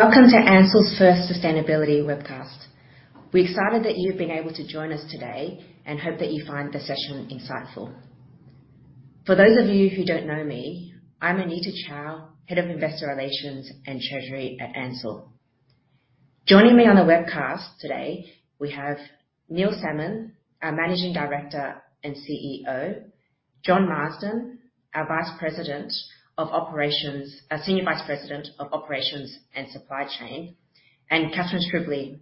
Welcome to Ansell's first sustainability webcast. We're excited that you've been able to join us today and hope that you find the session insightful. For those of you who don't know me, I'm Anita Chow, Head of Investor Relations and Treasury at Ansell. Joining me on the webcast today, we have Neil Salmon, our Managing Director and CEO, John Marsden, our Senior Vice President of Operations and Supply Chain, and Catherine Stribley,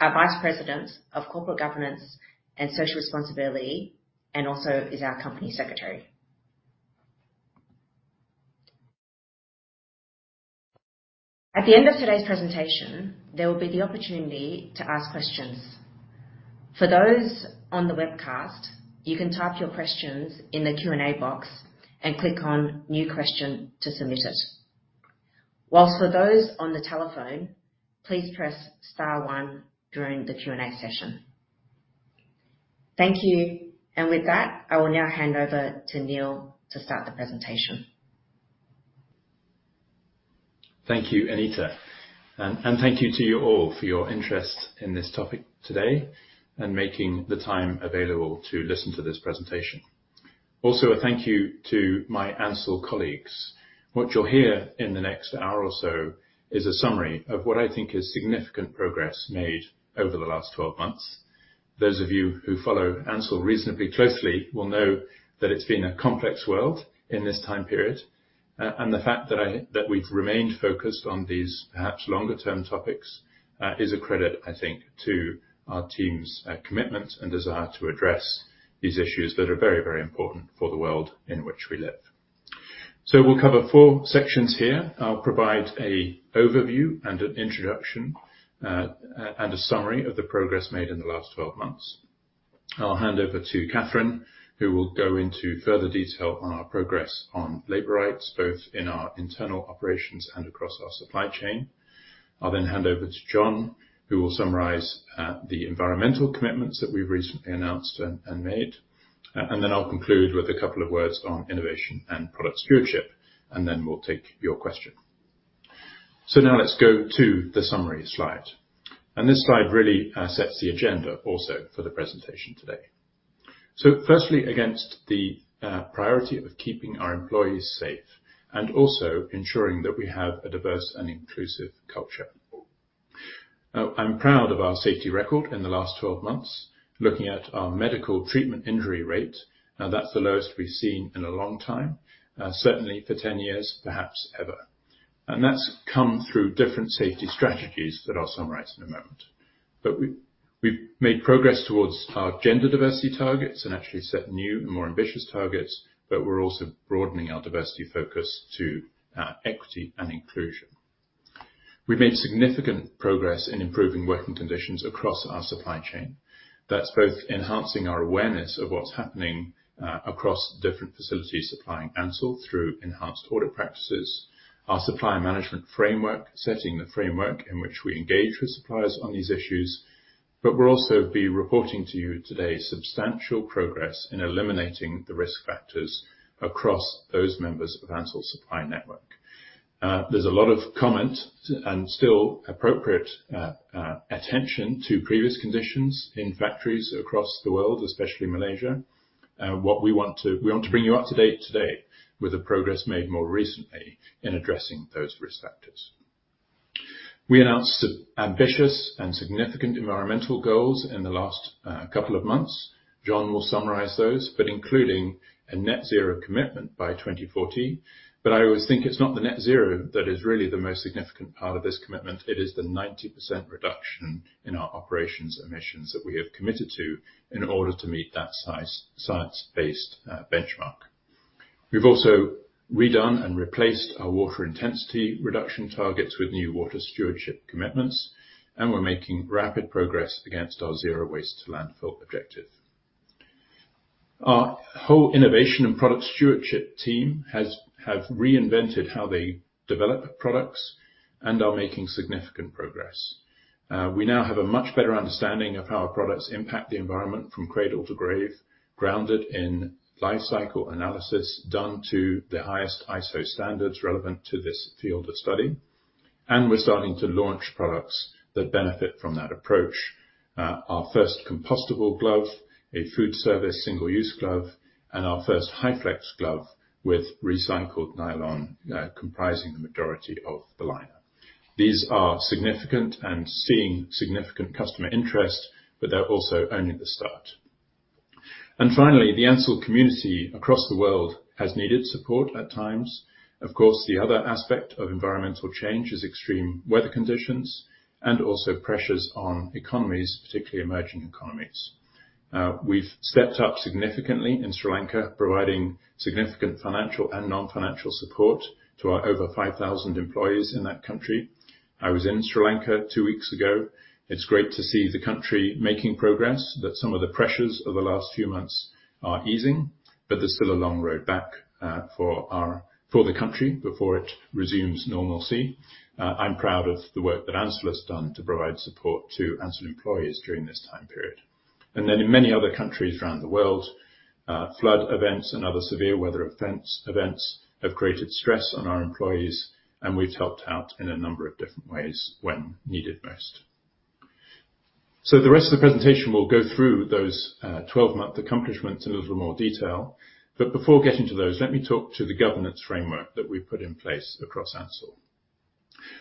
our Vice President of Corporate Governance and Social Responsibility, and also is our Company Secretary. At the end of today's presentation, there will be the opportunity to ask questions. For those on the webcast, you can type your questions in the Q&A box and click on New Question to submit it. While for those on the telephone, please press star one during the Q&A session. Thank you. With that, I will now hand over to Neil to start the presentation. Thank you, Anita, and thank you to you all for your interest in this topic today and making the time available to listen to this presentation. Also, a thank you to my Ansell colleagues. What you'll hear in the next hour or so is a summary of what I think is significant progress made over the last 12 months. Those of you who follow Ansell reasonably closely will know that it's been a complex world in this time period. The fact that we've remained focused on these perhaps longer-term topics is a credit, I think, to our team's commitment and desire to address these issues that are very, very important for the world in which we live. We'll cover four sections here. I'll provide an overview and an introduction and a summary of the progress made in the last 12 months. I'll hand over to Catherine, who will go into further detail on our progress on labor rights, both in our internal operations and across our supply chain. I'll then hand over to John, who will summarize the environmental commitments that we've recently announced and made. And then I'll conclude with a couple of words on innovation and product stewardship, and then we'll take your question. Now let's go to the summary slide. This slide really sets the agenda also for the presentation today. Firstly, against the priority of keeping our employees safe and also ensuring that we have a diverse and inclusive culture. I'm proud of our safety record in the last 12 months. Looking at our medical treatment injury rate, that's the lowest we've seen in a long time. Certainly for 10 years, perhaps ever. That's come through different safety strategies that I'll summarize in a moment. We've made progress towards our gender diversity targets and actually set new and more ambitious targets, but we're also broadening our diversity focus to equity and inclusion. We've made significant progress in improving working conditions across our supply chain. That's both enhancing our awareness of what's happening across different facilities supplying Ansell through enhanced audit practices. Our supply management framework, setting the framework in which we engage with suppliers on these issues, but we'll also be reporting to you today substantial progress in eliminating the risk factors across those members of Ansell's supply network. There's a lot of comment and still appropriate attention to previous conditions in factories across the world, especially Malaysia. We want to bring you up to date today with the progress made more recently in addressing those risk factors. We announced ambitious and significant environmental goals in the last couple of months. John will summarize those, but including a net zero commitment by 2040. I always think it's not the net zero that is really the most significant part of this commitment. It is the 90% reduction in our operations emissions that we have committed to in order to meet that science-based benchmark. We've also redone and replaced our water intensity reduction targets with new water stewardship commitments, and we're making rapid progress against our zero waste landfill objective. Our whole innovation and product stewardship team have reinvented how they develop products and are making significant progress. We now have a much better understanding of how our products impact the environment from cradle to grave, grounded in life cycle analysis done to the highest ISO standards relevant to this field of study. We're starting to launch products that benefit from that approach. Our first compostable glove, a food service single-use glove, and our first HyFlex glove with recycled nylon, comprising the majority of the liner. These are significant and seeing significant customer interest, but they're also only the start. Finally, the Ansell community across the world has needed support at times. Of course, the other aspect of environmental change is extreme weather conditions and also pressures on economies, particularly emerging economies. We've stepped up significantly in Sri Lanka, providing significant financial and non-financial support to our over 5,000 employees in that country. I was in Sri Lanka two weeks ago. It's great to see the country making progress, that some of the pressures of the last few months are easing, but there's still a long road back for the country before it resumes normalcy. I'm proud of the work that Ansell has done to provide support to Ansell employees during this time period. In many other countries around the world, flood events and other severe weather events have created stress on our employees, and we've helped out in a number of different ways when needed most. The rest of the presentation will go through those 12-month accomplishments in a little more detail. Before getting to those, let me talk to the governance framework that we've put in place across Ansell.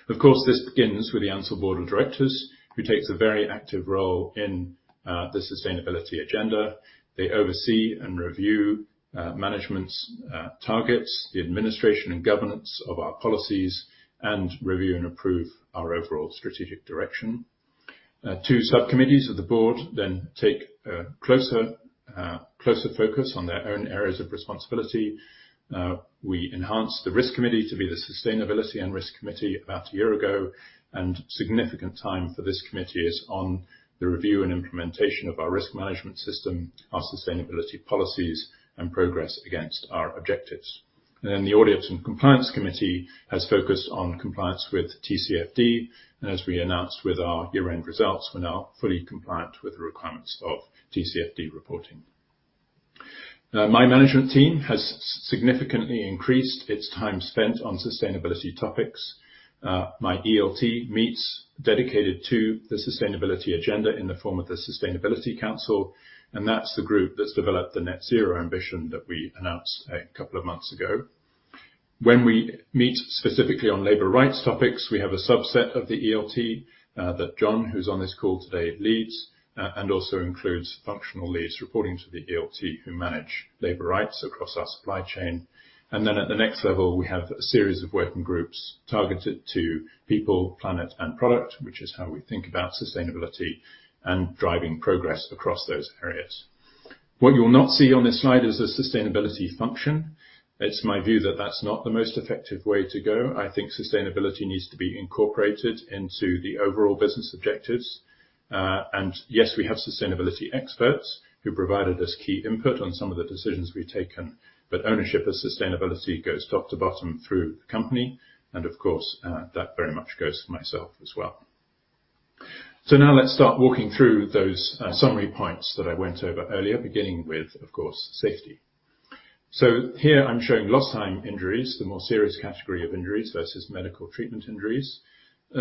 Of course, this begins with the Ansell Board of Directors, who takes a very active role in the sustainability agenda. They oversee and review management's targets, the administration and governance of our policies, and review and approve our overall strategic direction. Two sub-committees of the board then take a closer focus on their own areas of responsibility. We enhanced the risk committee to be the sustainability and risk committee about a year ago, and significant time for this committee is on the review and implementation of our risk management system, our sustainability policies, and progress against our objectives. The audit and compliance committee has focused on compliance with TCFD. As we announced with our year-end results, we're now fully compliant with the requirements of TCFD reporting. My management team has significantly increased its time spent on sustainability topics. My ELT meets dedicated to the sustainability agenda in the form of the Sustainability Council, and that's the group that's developed the net zero ambition that we announced a couple of months ago. When we meet specifically on labor rights topics, we have a subset of the ELT, that John, who's on this call today, leads, and also includes functional leads reporting to the ELT who manage labor rights across our supply chain. At the next level, we have a series of working groups targeted to people, planet, and product, which is how we think about sustainability and driving progress across those areas. What you'll not see on this slide is a sustainability function. It's my view that that's not the most effective way to go. I think sustainability needs to be incorporated into the overall business objectives. Yes, we have sustainability experts who provided us key input on some of the decisions we've taken, but ownership of sustainability goes top to bottom through the company, and of course, that very much goes to myself as well. Now let's start walking through those summary points that I went over earlier, beginning with, of course, safety. Here I'm showing lost time injuries, the more serious category of injuries versus medical treatment injuries.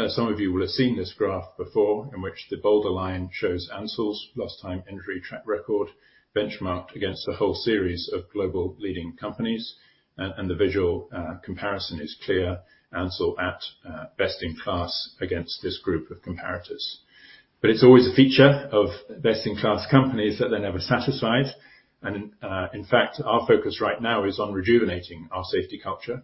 Some of you will have seen this graph before, in which the bolder line shows Ansell's lost time injury track record benchmarked against a whole series of global leading companies. The visual comparison is clear. Ansell at best in class against this group of comparators. It's always a feature of best in class companies that they're never satisfied. In fact, our focus right now is on rejuvenating our safety culture.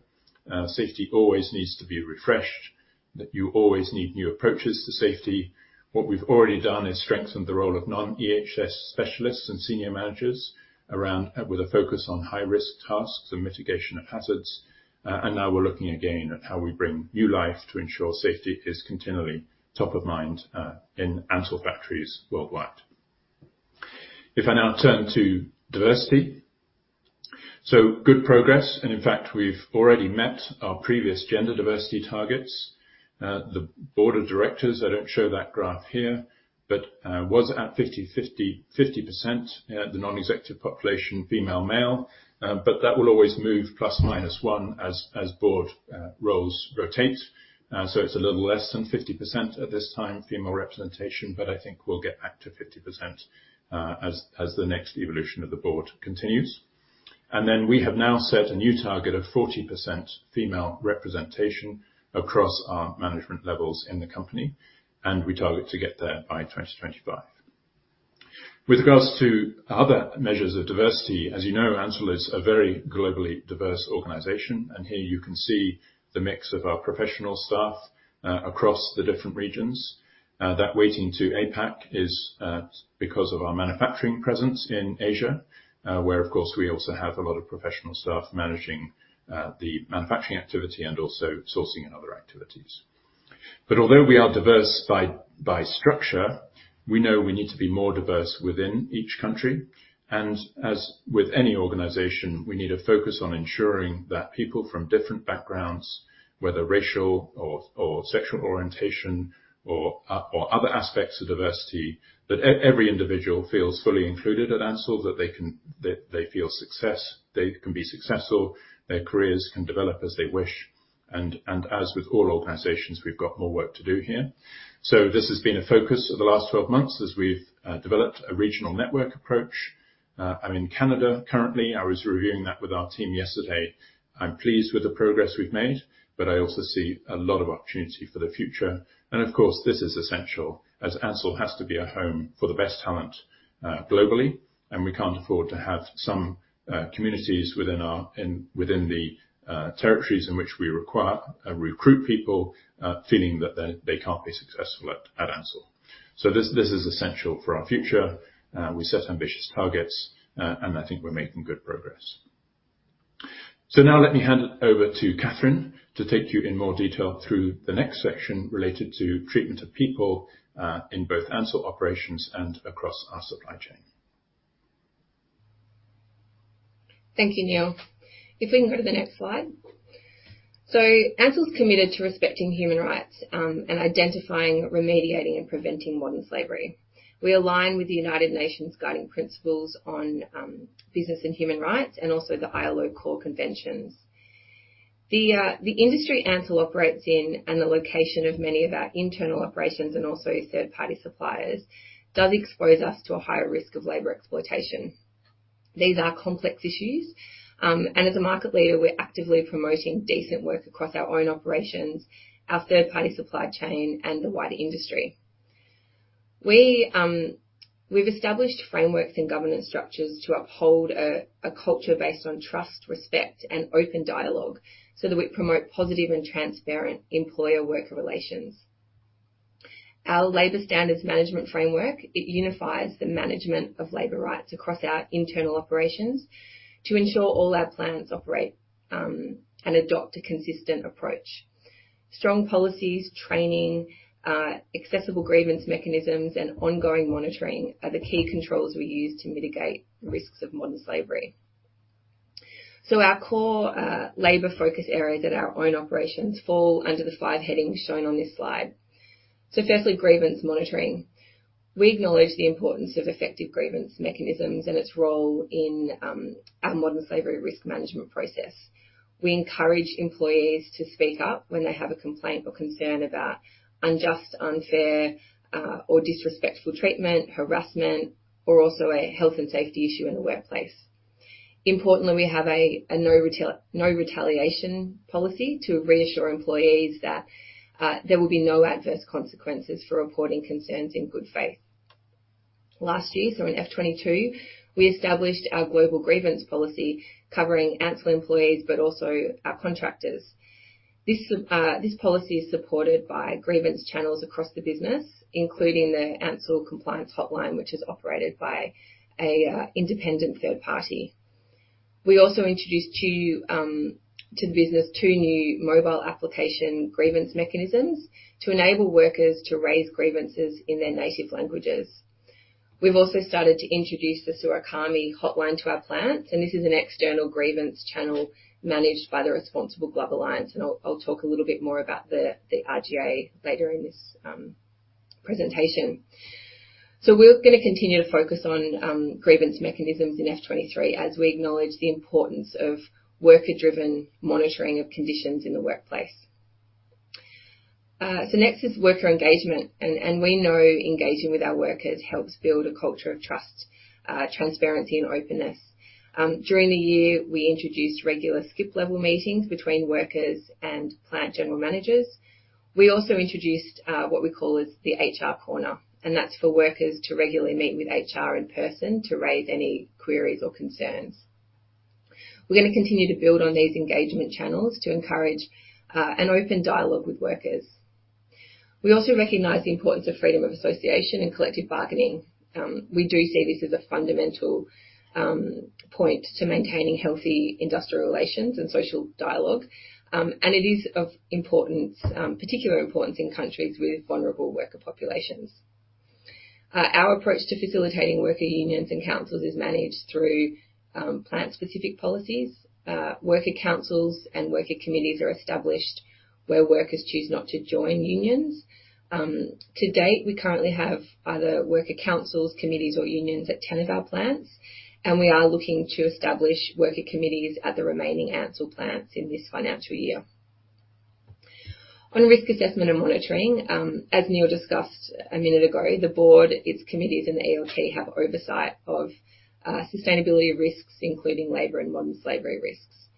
Safety always needs to be refreshed, that you always need new approaches to safety. What we've already done is strengthened the role of non-EHS specialists and senior managers around with a focus on high-risk tasks and mitigation of hazards. Now we're looking again at how we bring new life to ensure safety is continually top of mind, in Ansell factories worldwide. If I now turn to diversity. Good progress, and in fact, we've already met our previous gender diversity targets. The Board of Directors, I don't show that graph here, but, was at 50, 50%, the non-executive population, female, male. But that will always move plus, minus as board roles rotate. It's a little less than 50% at this time, female representation, but I think we'll get back to 50%, as the next evolution of the board continues. We have now set a new target of 40% female representation across our management levels in the company, and we target to get there by 2025. With regards to other measures of diversity, as you know, Ansell is a very globally diverse organization, and here you can see the mix of our professional staff across the different regions. That weighting to APAC is because of our manufacturing presence in Asia, where, of course, we also have a lot of professional staff managing the manufacturing activity and also sourcing in other activities. Although we are diverse by structure, we know we need to be more diverse within each country. As with any organization, we need to focus on ensuring that people from different backgrounds, whether racial or sexual orientation or other aspects of diversity, that every individual feels fully included at Ansell, that they can be successful, their careers can develop as they wish. As with all organizations, we've got more work to do here. This has been a focus for the last 12 months as we've developed a regional network approach. I'm in Canada currently. I was reviewing that with our team yesterday. I'm pleased with the progress we've made, but I also see a lot of opportunity for the future. Of course, this is essential as Ansell has to be a home for the best talent, globally, and we can't afford to have some communities within the territories in which we recruit people, feeling that they can't be successful at Ansell. This is essential for our future. We set ambitious targets, and I think we're making good progress. Now let me hand it over to Kathryn to take you in more detail through the next section related to treatment of people in both Ansell operations and across our supply chain. Thank you, Neil. If we can go to the next slide. Ansell's committed to respecting human rights, and identifying, remediating, and preventing modern slavery. We align with the United Nations Guiding Principles on Business and Human Rights and also the ILO Core Conventions. The industry Ansell operates in and the location of many of our internal operations and also third-party suppliers, does expose us to a higher risk of labor exploitation. These are complex issues, and as a market leader, we're actively promoting decent work across our own operations, our third party supply chain, and the wider industry. We've established frameworks and governance structures to uphold a culture based on trust, respect, and open dialogue, so that we promote positive and transparent employer-worker relations. Our labor standards management framework. It unifies the management of labor rights across our internal operations to ensure all our plants operate and adopt a consistent approach. Strong policies, training, accessible grievance mechanisms, and ongoing monitoring are the key controls we use to mitigate risks of modern slavery. Our core labor focus areas at our own operations fall under the five headings shown on this slide. Firstly, grievance monitoring. We acknowledge the importance of effective grievance mechanisms and its role in our modern slavery risk management process. We encourage employees to speak up when they have a complaint or concern about unjust, unfair or disrespectful treatment, harassment, or also a health and safety issue in the workplace. Importantly, we have a no retaliation policy to reassure employees that there will be no adverse consequences for reporting concerns in good faith. Last year, so in FY 2022, we established our global grievance policy covering Ansell employees, but also our contractors. This policy is supported by grievance channels across the business, including the Ansell Compliance Hotline, which is operated by an independent third party. We also introduced two new mobile application grievance mechanisms to enable workers to raise grievances in their native languages. We've also started to introduce the Suara Kami hotline to our plants, and this is an external grievance channel managed by the Responsible Glove Alliance, and I'll talk a little bit more about the RGA later in this presentation. We're gonna continue to focus on grievance mechanisms in FY 2023 as we acknowledge the importance of worker-driven monitoring of conditions in the workplace. Next is worker engagement and we know engaging with our workers helps build a culture of trust, transparency, and openness. During the year, we introduced regular skip-level meetings between workers and plant general managers. We also introduced what we call as the HR Corner, and that's for workers to regularly meet with HR in person to raise any queries or concerns. We're gonna continue to build on these engagement channels to encourage an open dialogue with workers. We also recognize the importance of freedom of association and collective bargaining. We do see this as a fundamental point to maintaining healthy industrial relations and social dialogue. It is of particular importance in countries with vulnerable worker populations. Our approach to facilitating worker unions and councils is managed through plant-specific policies. Worker councils and worker committees are established where workers choose not to join unions. To date, we currently have either worker councils, committees, or unions at 10 of our plants, and we are looking to establish worker committees at the remaining Ansell plants in this financial year. On risk assessment and monitoring, as Neil discussed a minute ago, the board, its committees and the ELT have oversight of sustainability risks, including labor and modern slavery risks.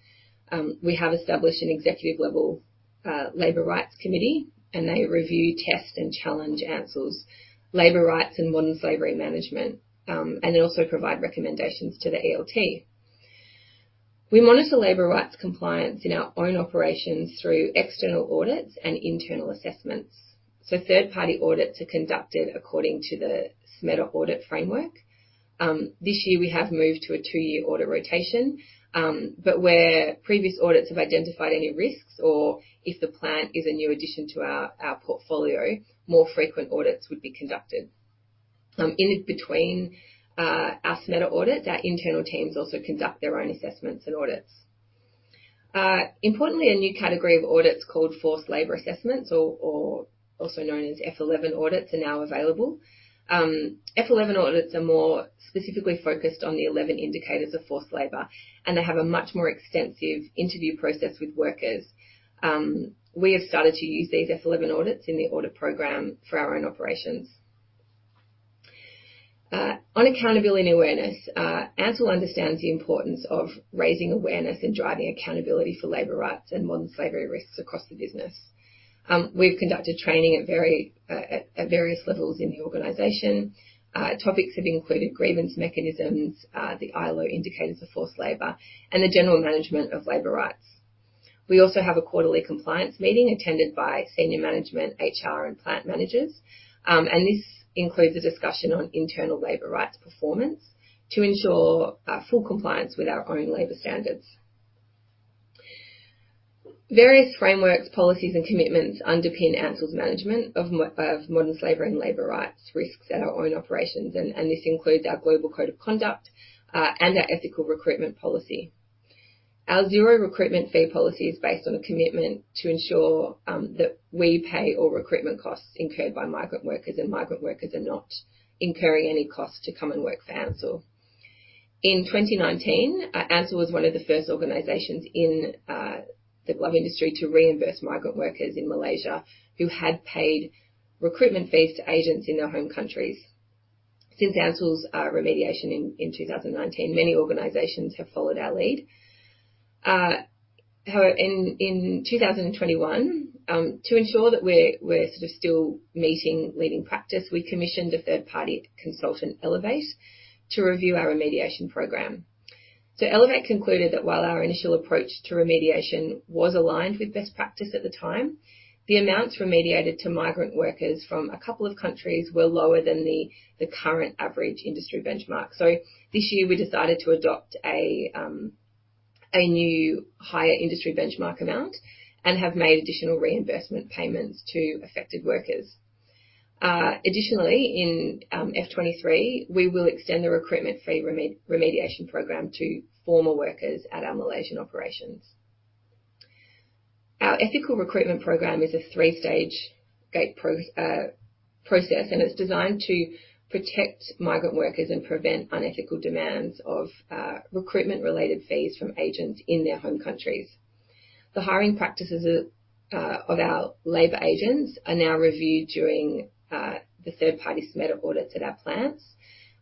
We have established an executive-level labor rights committee, and they review, test, and challenge Ansell's labor rights and modern slavery management, and then also provide recommendations to the ELT. We monitor labor rights compliance in our own operations through external audits and internal assessments. Third-party audits are conducted according to the SMETA audit framework. This year we have moved to a two-year audit rotation. But where previous audits have identified any risks or if the plant is a new addition to our portfolio, more frequent audits would be conducted. In between our SMETA audit, our internal teams also conduct their own assessments and audits. Importantly, a new category of audits called forced labor assessments or also known as FL11 audits are now available. FL11 audits are more specifically focused on the 11 indicators of forced labor, and they have a much more extensive interview process with workers. We have started to use these FL11 audits in the audit program for our own operations. On accountability and awareness, Ansell understands the importance of raising awareness and driving accountability for labor rights and modern slavery risks across the business. We've conducted training at various levels in the organization. Topics have included grievance mechanisms, the ILO indicators of forced labor, and the general management of labor rights. We also have a quarterly compliance meeting attended by senior management, HR, and plant managers. This includes a discussion on internal labor rights performance to ensure full compliance with our own labor standards. Various frameworks, policies, and commitments underpin Ansell's management of modern slavery and labor rights risks at our own operations. This includes our global code of conduct and our ethical recruitment policy. Our zero recruitment fee policy is based on a commitment to ensure that we pay all recruitment costs incurred by migrant workers, and migrant workers are not incurring any costs to come and work for Ansell. In 2019, Ansell was one of the first organizations in the glove industry to reimburse migrant workers in Malaysia who had paid recruitment fees to agents in their home countries. Since Ansell's remediation in 2019, many organizations have followed our lead. In 2021, to ensure that we're sort of still meeting leading practice, we commissioned a third-party consultant, ELEVATE, to review our remediation program. ELEVATE concluded that while our initial approach to remediation was aligned with best practice at the time, the amounts remediated to migrant workers from a couple of countries were lower than the current average industry benchmark. This year we decided to adopt a new higher industry benchmark amount and have made additional reinvestment payments to affected workers. Additionally, in FY 2023, we will extend the recruitment fee remediation program to former workers at our Malaysian operations. Our ethical recruitment program is a three-stage gate process, and it's designed to protect migrant workers and prevent unethical demands of recruitment related fees from agents in their home countries. The hiring practices of our labor agents are now reviewed during the third-party SMETA audits at our plants.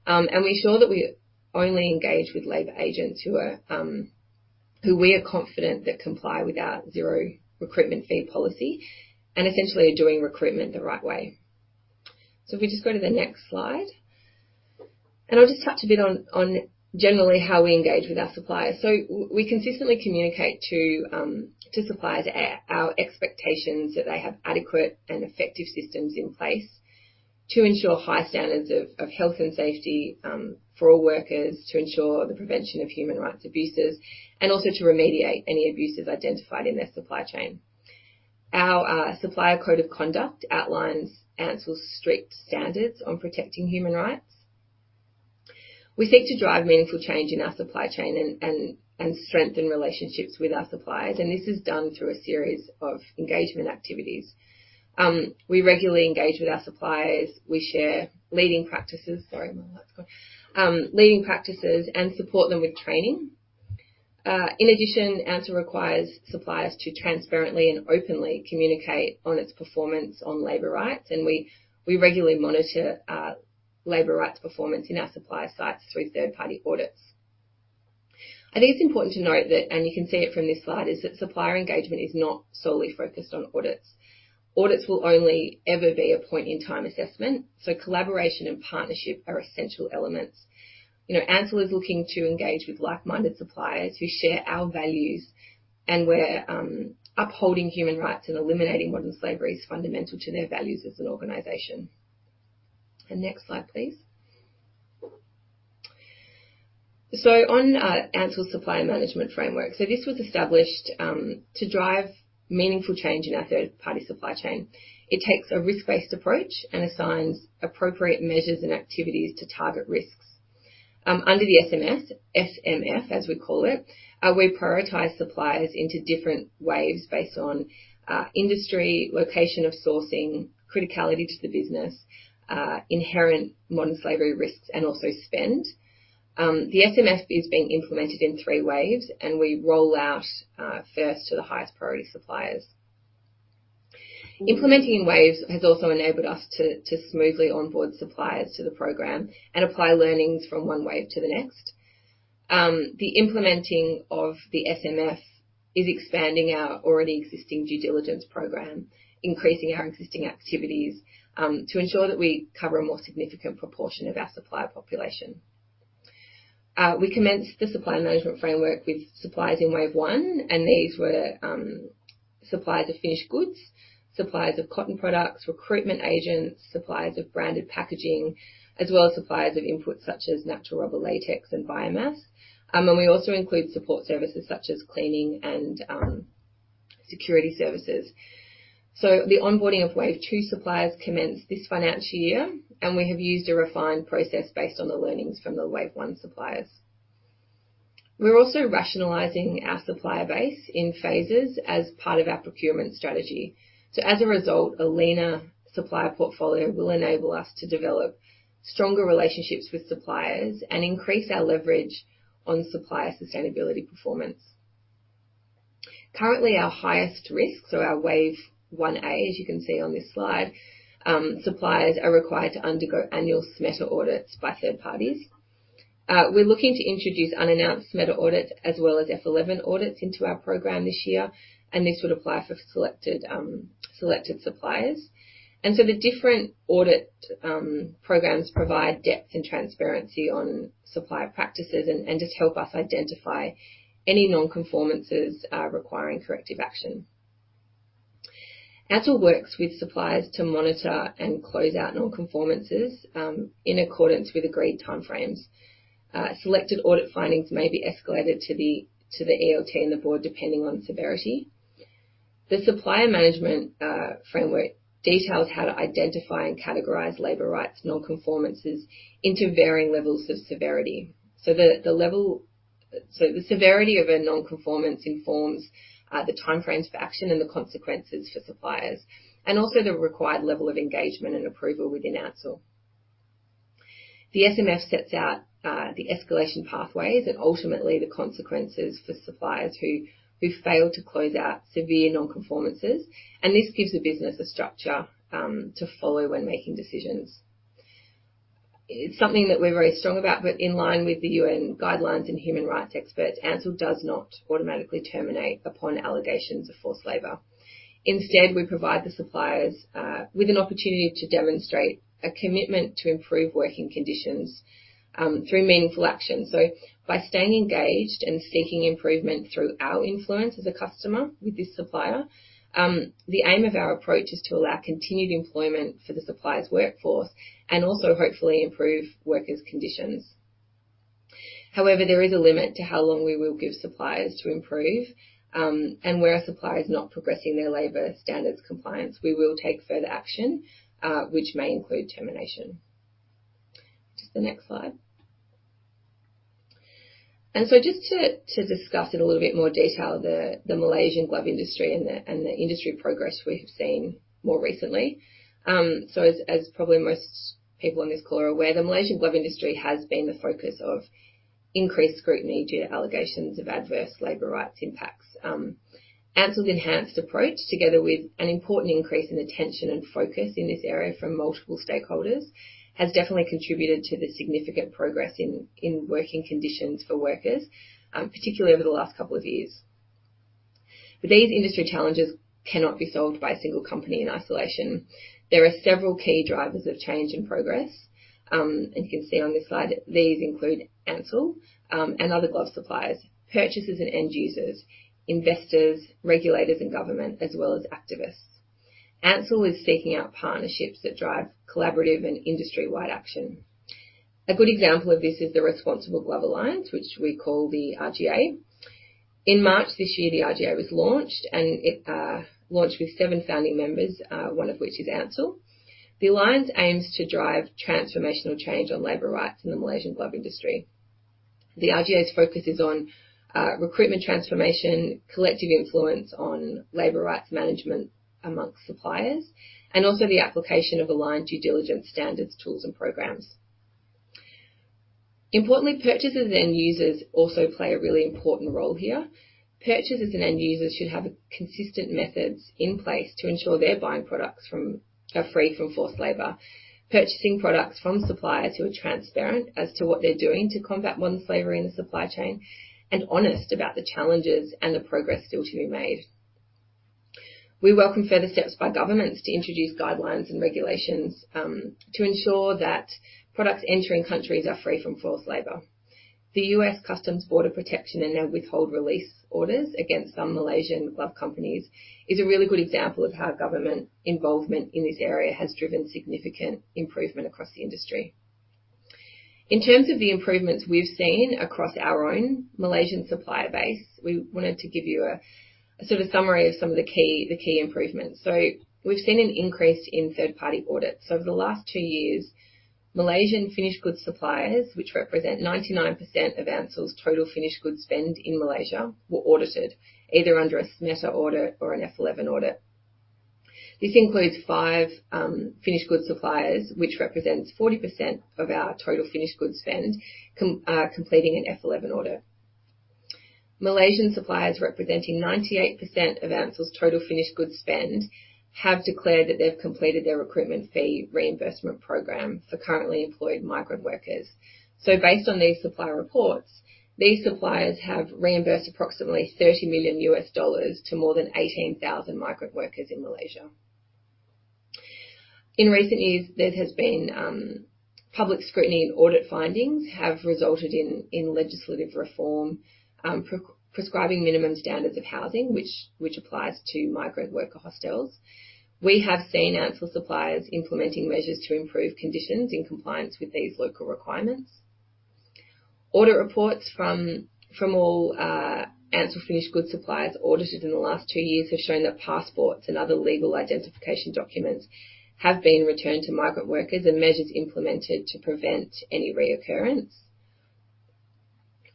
We ensure that we only engage with labor agents who we are confident that comply with our zero recruitment fee policy and essentially are doing recruitment the right way. If we just go to the next slide. I'll just touch a bit on generally how we engage with our suppliers. We consistently communicate to suppliers our expectations that they have adequate and effective systems in place to ensure high standards of health and safety for all workers, to ensure the prevention of human rights abuses, and also to remediate any abuses identified in their supply chain. Our supplier code of conduct outlines Ansell's strict standards on protecting human rights. We seek to drive meaningful change in our supply chain and strengthen relationships with our suppliers, and this is done through a series of engagement activities. We regularly engage with our suppliers. We share leading practices. Sorry, my light's gone. Leading practices and support them with training. In addition, Ansell requires suppliers to transparently and openly communicate on its performance on labor rights, and we regularly monitor labor rights performance in our supplier sites through third-party audits. I think it's important to note that, and you can see it from this slide, is that supplier engagement is not solely focused on audits. Audits will only ever be a point in time assessment, so collaboration and partnership are essential elements. You know, Ansell is looking to engage with like-minded suppliers who share our values and where upholding human rights and eliminating modern slavery is fundamental to their values as an organization. Next slide, please. On Ansell's Supplier Management Framework. This was established to drive meaningful change in our third-party supply chain. It takes a risk-based approach and assigns appropriate measures and activities to target risks. Under the SMS, SMF, as we call it, we prioritize suppliers into different waves based on industry, location of sourcing, criticality to the business, inherent modern slavery risks, and also spend. The SMF is being implemented in three waves, and we roll out first to the highest priority suppliers. Implementing in waves has also enabled us to smoothly onboard suppliers to the program and apply learnings from one wave to the next. The implementing of the SMF is expanding our already existing due diligence program, increasing our existing activities to ensure that we cover a more significant proportion of our supplier population. We commenced the Supplier Management Framework with suppliers in wave one, and these were suppliers of finished goods, suppliers of cotton products, recruitment agents, suppliers of branded packaging, as well as suppliers of inputs such as natural rubber latex and biomass. We also include support services such as cleaning and security services. The onboarding of wave two suppliers commenced this financial year, and we have used a refined process based on the learnings from the wave one suppliers. We're also rationalizing our supplier base in phases as part of our procurement strategy. As a result, a leaner supplier portfolio will enable us to develop stronger relationships with suppliers and increase our leverage on supplier sustainability performance. Currently, our highest risk, so our Wave 1A, as you can see on this slide, suppliers are required to undergo annual SMETA audits by third parties. We're looking to introduce unannounced SMETA audits as well as FL11 audits into our program this year, and this would apply for selected suppliers. The different audit programs provide depth and transparency on supplier practices and just help us identify any non-conformances requiring corrective action. Ansell works with suppliers to monitor and close out non-conformances in accordance with agreed timeframes. Selected audit findings may be escalated to the ELT and the board, depending on severity. The supplier management framework details how to identify and categorize labor rights non-conformances into varying levels of severity. The severity of a non-conformance informs the timeframes for action and the consequences for suppliers, and also the required level of engagement and approval within Ansell. The SMF sets out the escalation pathways and ultimately the consequences for suppliers who fail to close out severe non-conformances, and this gives the business a structure to follow when making decisions. It's something that we're very strong about, but in line with the UN guidelines and human rights experts, Ansell does not automatically terminate upon allegations of forced labor. Instead, we provide the suppliers with an opportunity to demonstrate a commitment to improve working conditions through meaningful action. By staying engaged and seeking improvement through our influence as a customer with this supplier, the aim of our approach is to allow continued employment for the supplier's workforce and also hopefully improve workers' conditions. However, there is a limit to how long we will give suppliers to improve. Where a supplier is not progressing their labor standards compliance, we will take further action, which may include termination. Just the next slide. Just to discuss in a little bit more detail the Malaysian glove industry and the industry progress we have seen more recently. As probably most people on this call are aware, the Malaysian glove industry has been the focus of increased scrutiny due to allegations of adverse labor rights impacts. Ansell's enhanced approach, together with an important increase in attention and focus in this area from multiple stakeholders, has definitely contributed to the significant progress in working conditions for workers, particularly over the last couple of years. These industry challenges cannot be solved by a single company in isolation. There are several key drivers of change and progress. You can see on this slide these include Ansell and other glove suppliers, purchasers and end users, investors, regulators and government, as well as activists. Ansell is seeking out partnerships that drive collaborative and industry-wide action. A good example of this is the Responsible Glove Alliance, which we call the RGA. In March this year, the RGA was launched with seven founding members, one of which is Ansell. The alliance aims to drive transformational change on labor rights in the Malaysian glove industry. The RGA's focus is on recruitment transformation, collective influence on labor rights management among suppliers, and also the application of aligned due diligence standards, tools and programs. Importantly, purchasers and end users also play a really important role here. Purchasers and end users should have consistent methods in place to ensure they're buying products are free from forced labor. Purchasing products from suppliers who are transparent as to what they're doing to combat modern slavery in the supply chain, and honest about the challenges and the progress still to be made. We welcome further steps by governments to introduce guidelines and regulations to ensure that products entering countries are free from forced labor. The U.S. Customs and Border Protection and their withhold release orders against some Malaysian glove companies is a really good example of how government involvement in this area has driven significant improvement across the industry. In terms of the improvements we've seen across our own Malaysian supplier base, we wanted to give you a sort of summary of some of the key improvements. We've seen an increase in third-party audits. Over the last two years, Malaysian finished goods suppliers, which represent 99% of Ansell's total finished goods spend in Malaysia, were audited either under a SMETA audit or an FL11 audit. This includes five finished goods suppliers, which represents 40% of our total finished goods spend completing an FL11 audit. Malaysian suppliers representing 98% of Ansell's total finished goods spend have declared that they've completed their recruitment fee reimbursement program for currently employed migrant workers. Based on these supplier reports, these suppliers have reimbursed approximately $30 million to more than 18,000 migrant workers in Malaysia. In recent years, there has been public scrutiny and audit findings have resulted in legislative reform pre-prescribing minimum standards of housing, which applies to migrant worker hostels. We have seen Ansell suppliers implementing measures to improve conditions in compliance with these local requirements. Audit reports from all Ansell finished goods suppliers audited in the last two years have shown that passports and other legal identification documents have been returned to migrant workers and measures implemented to prevent any reoccurrence.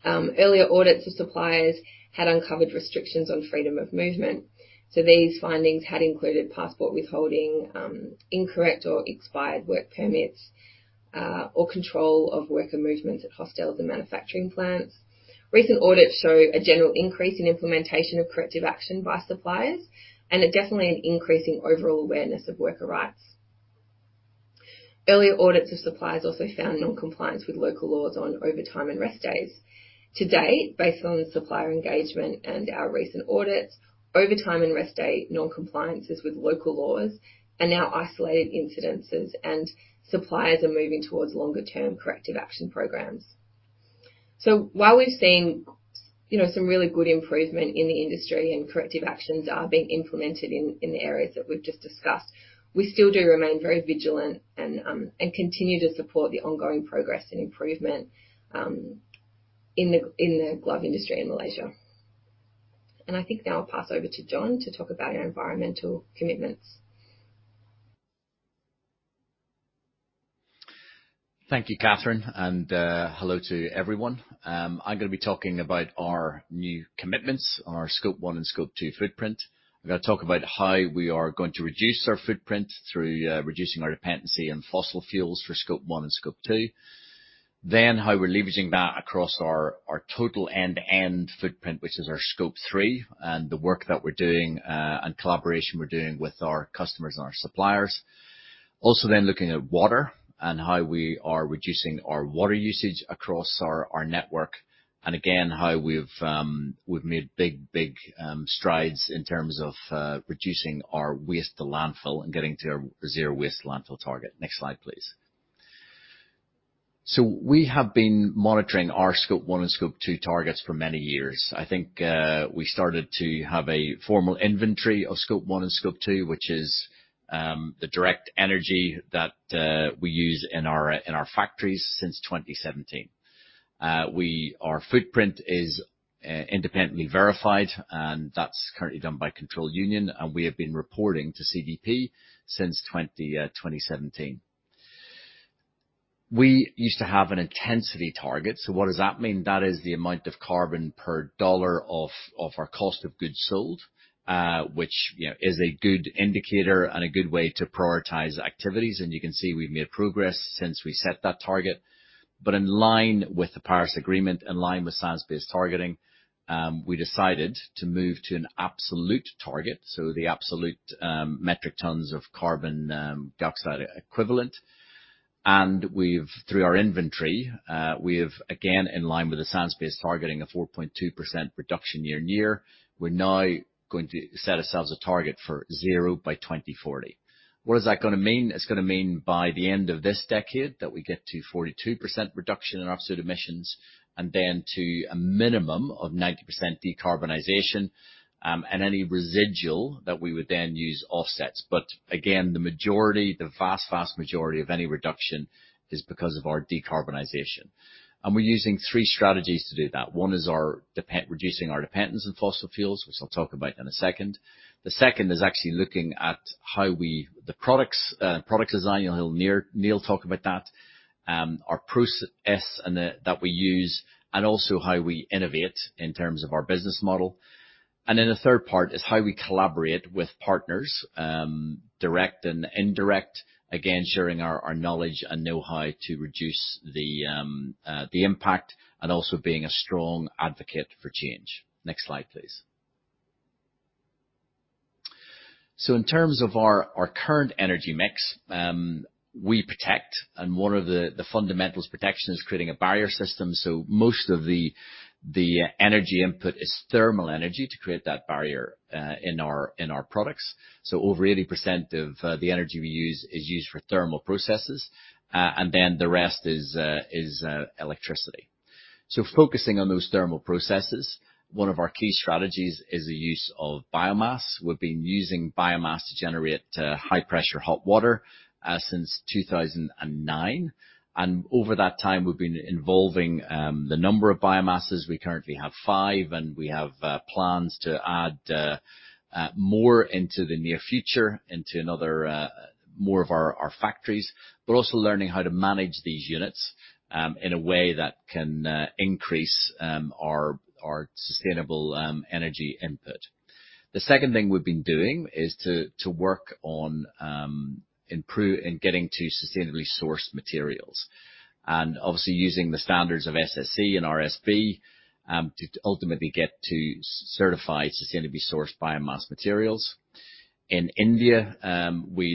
Earlier audits of suppliers had uncovered restrictions on freedom of movement. These findings had included passport withholding, incorrect or expired work permits, or control of worker movements at hostels and manufacturing plants. Recent audits show a general increase in implementation of corrective action by suppliers and definitely an increase in overall awareness of worker rights. Earlier audits of suppliers also found non-compliance with local laws on overtime and rest days. To date, based on supplier engagement and our recent audits, overtime and rest day non-compliances with local laws are now isolated incidences and suppliers are moving towards longer-term corrective action programs. While we've seen, you know, some really good improvement in the industry and corrective actions are being implemented in the areas that we've just discussed, we still do remain very vigilant and continue to support the ongoing progress and improvement in the glove industry in Malaysia. I think now I'll pass over to John to talk about our environmental commitments. Thank you, Catherine, and hello to everyone. I'm gonna be talking about our new commitments on our Scope 1 and Scope 2 footprint. I'm gonna talk about how we are going to reduce our footprint through reducing our dependency on fossil fuels for Scope 1 and Scope 2. How we're leveraging that across our total end-to-end footprint, which is our Scope 3, and the work that we're doing and collaboration we're doing with our customers and our suppliers. Also looking at water and how we are reducing our water usage across our network, and again, how we've made big strides in terms of reducing our waste to landfill and getting to zero waste to landfill target. Next slide, please. We have been monitoring our Scope 1 and Scope 2 targets for many years. I think we started to have a formal inventory of Scope 1 and Scope 2, which is the direct energy that we use in our factories since 2017. Our footprint is independently verified, and that's currently done by Control Union, and we have been reporting to CDP since 2017. We used to have an intensity target. What does that mean? That is the amount of carbon per dollar of our cost of goods sold, which, you know, is a good indicator and a good way to prioritize activities. You can see we've made progress since we set that target. In line with the Paris Agreement, in line with science-based targeting, we decided to move to an absolute target, the absolute metric tons of carbon dioxide equivalent. We've through our inventory again in line with the science-based targeting of 4.2% reduction year-on-year, we're now going to set ourselves a target for zero by 2040. What is that gonna mean? It's gonna mean by the end of this decade that we get to 42% reduction in our emissions and then to a minimum of 90% decarbonization, and any residual that we would then use offsets. Again, the majority, the vast majority of any reduction is because of our decarbonization. We're using three strategies to do that. One is reducing our dependence on fossil fuels, which I'll talk about in a second. The second is actually looking at how we.. The products, product design, you'll hear Neil talk about that, our process and that we use, and also how we innovate in terms of our business model. Then the third part is how we collaborate with partners, direct and indirect, again, sharing our knowledge and know-how to reduce the impact and also being a strong advocate for change. Next slide, please. In terms of our current energy mix, we protect and one of the fundamentals protection is creating a barrier system, so most of the energy input is thermal energy to create that barrier in our products. Over 80% of the energy we use is used for thermal processes, and then the rest is electricity. Focusing on those thermal processes, one of our key strategies is the use of biomass. We've been using biomass to generate high pressure hot water since 2009. Over that time, we've been increasing the number of biomasses. We currently have five, and we have plans to add more in the near future to more of our factories. We're also learning how to manage these units in a way that can increase our sustainable energy input. The second thing we've been doing is to work on getting to sustainably sourced materials, and obviously using the standards of FSC and RSB to ultimately get to certified sustainably sourced biomass materials. In India,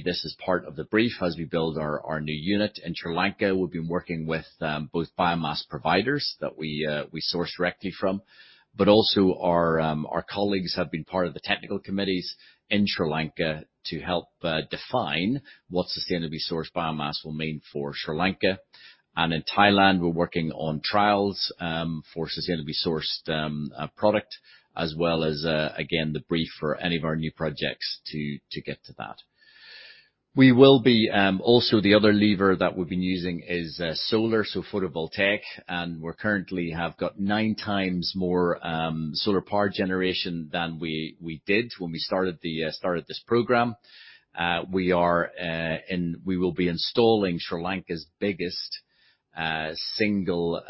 this is part of the brief as we build our new unit. In Sri Lanka, we've been working with both biomass providers that we source directly from, but also our colleagues have been part of the technical committees in Sri Lanka to help define what sustainably sourced biomass will mean for Sri Lanka. In Thailand, we're working on trials for sustainably sourced product, as well as again, the brief for any of our new projects to get to that. We will be also the other lever that we've been using is solar, so photovoltaic, and we currently have got nine times more solar power generation than we did when we started this program. We are, and we will be installing Sri Lanka's biggest single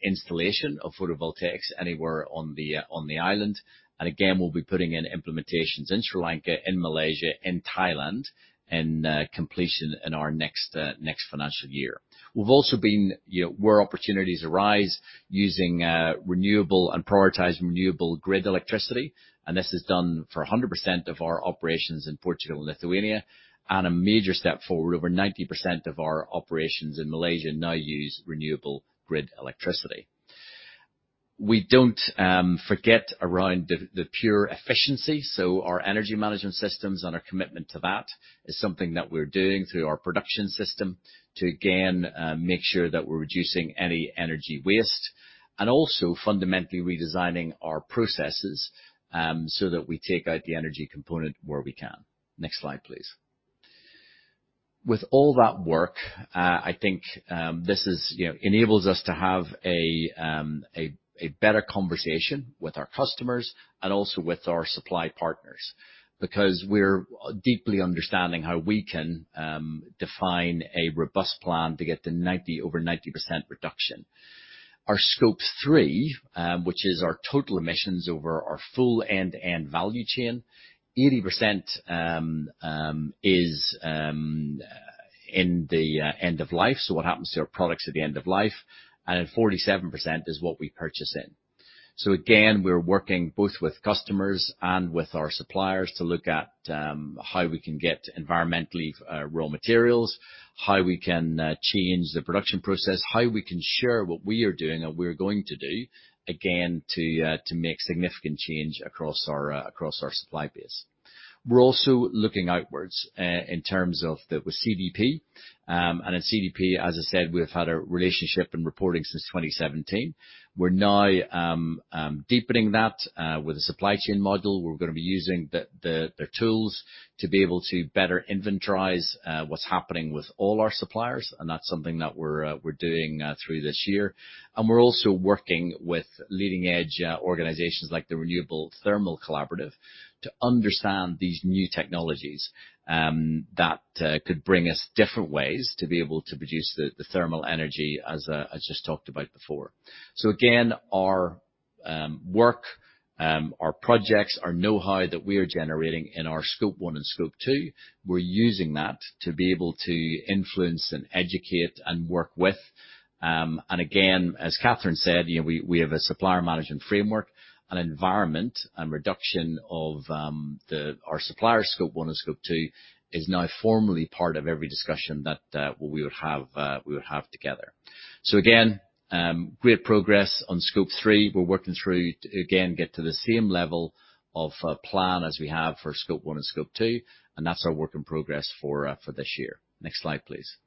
installation of photovoltaics anywhere on the island. We'll be putting in implementations in Sri Lanka, in Malaysia, in Thailand, completion in our next financial year. We've also been, you know, where opportunities arise using renewable and prioritized renewable grid electricity, and this is done for 100% of our operations in Portugal and Lithuania. A major step forward, over 90% of our operations in Malaysia now use renewable grid electricity. We don't forget about the pure efficiency. Our energy management systems and our commitment to that is something that we're doing through our production system to again make sure that we're reducing any energy waste and also fundamentally redesigning our processes, so that we take out the energy component where we can. Next slide, please. With all that work, I think this is, you know, enables us to have a better conversation with our customers and also with our supply partners, because we're deeply understanding how we can define a robust plan to get to 90, over 90% reduction. Our Scope 3, which is our total emissions over our full end-to-end value chain, 80% is in the end of life, so what happens to our products at the end of life, and then 47% is what we purchase in. Again, we're working both with customers and with our suppliers to look at how we can get environmentally raw materials, how we can change the production process, how we can share what we are doing and we're going to do again to make significant change across our supply base. We're also looking outwards in terms of the with CDP, and in CDP, as I said, we've had a relationship in reporting since 2017. We're now deepening that with a supply chain model. We're gonna be using the tools to be able to better inventory what's happening with all our suppliers, and that's something that we're doing through this year. We're also working with leading-edge organizations like the Renewable Thermal Collaborative to understand these new technologies that could bring us different ways to be able to produce the thermal energy, as I just talked about before. Our work, our projects, our know-how that we are generating in our Scope 1 and Scope 2, we're using that to be able to influence and educate and work with. As Catherine said, you know, we have a supplier management framework, and environmental reduction of our supplier Scope 1 and Scope 2 is now formally part of every discussion that we would have together. Great progress on Scope 3. We're working through to again get to the same level of plan as we have for Scope 1 and Scope 2, and that's our work in progress for this year. Next slide, please.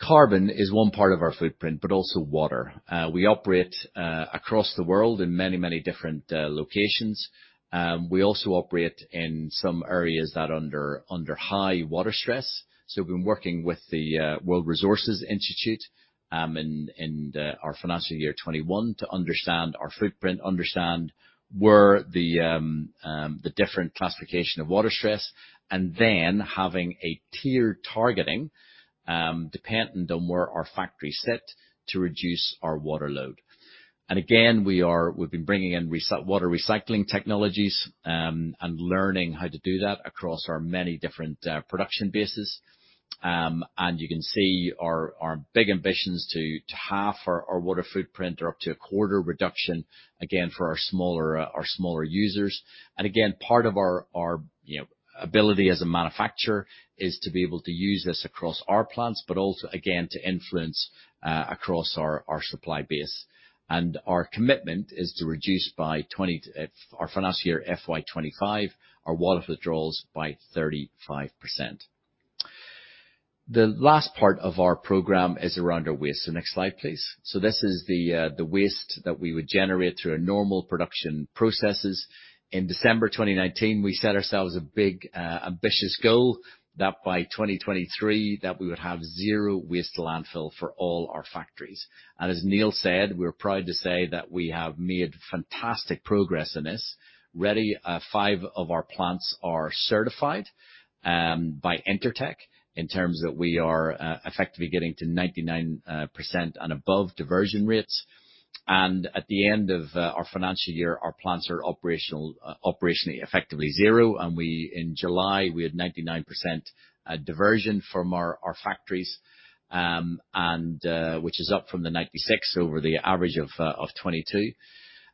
Carbon is one part of our footprint, but also water. We operate across the world in many different locations. We also operate in some areas that are under high water stress. We've been working with the World Resources Institute in our financial year 2021 to understand our footprint, understand where the different classification of water stress, and then having a tiered targeting dependent on where our factories sit to reduce our water load. We've been bringing in water recycling technologies and learning how to do that across our many different production bases. You can see our big ambitions to half our water footprint or up to a quarter reduction, again, for our smaller users. Again, part of our you know, ability as a manufacturer is to be able to use this across our plants, but also again, to influence across our supply base. Our commitment is to reduce our water withdrawals by 35% in our financial year FY25. The last part of our program is around our waste. Next slide, please. This is the waste that we would generate through our normal production processes. In December 2019, we set ourselves a big ambitious goal that by 2023 we would have zero waste to landfill for all our factories. As Neil said, we're proud to say that we have made fantastic progress in this. Already, five of our plants are certified by Intertek in terms of we are effectively getting to 99% and above diversion rates. At the end of our financial year, our plants are operationally effectively zero. In July, we had 99% diversion from our factories, and which is up from the 96% over the average of 2022.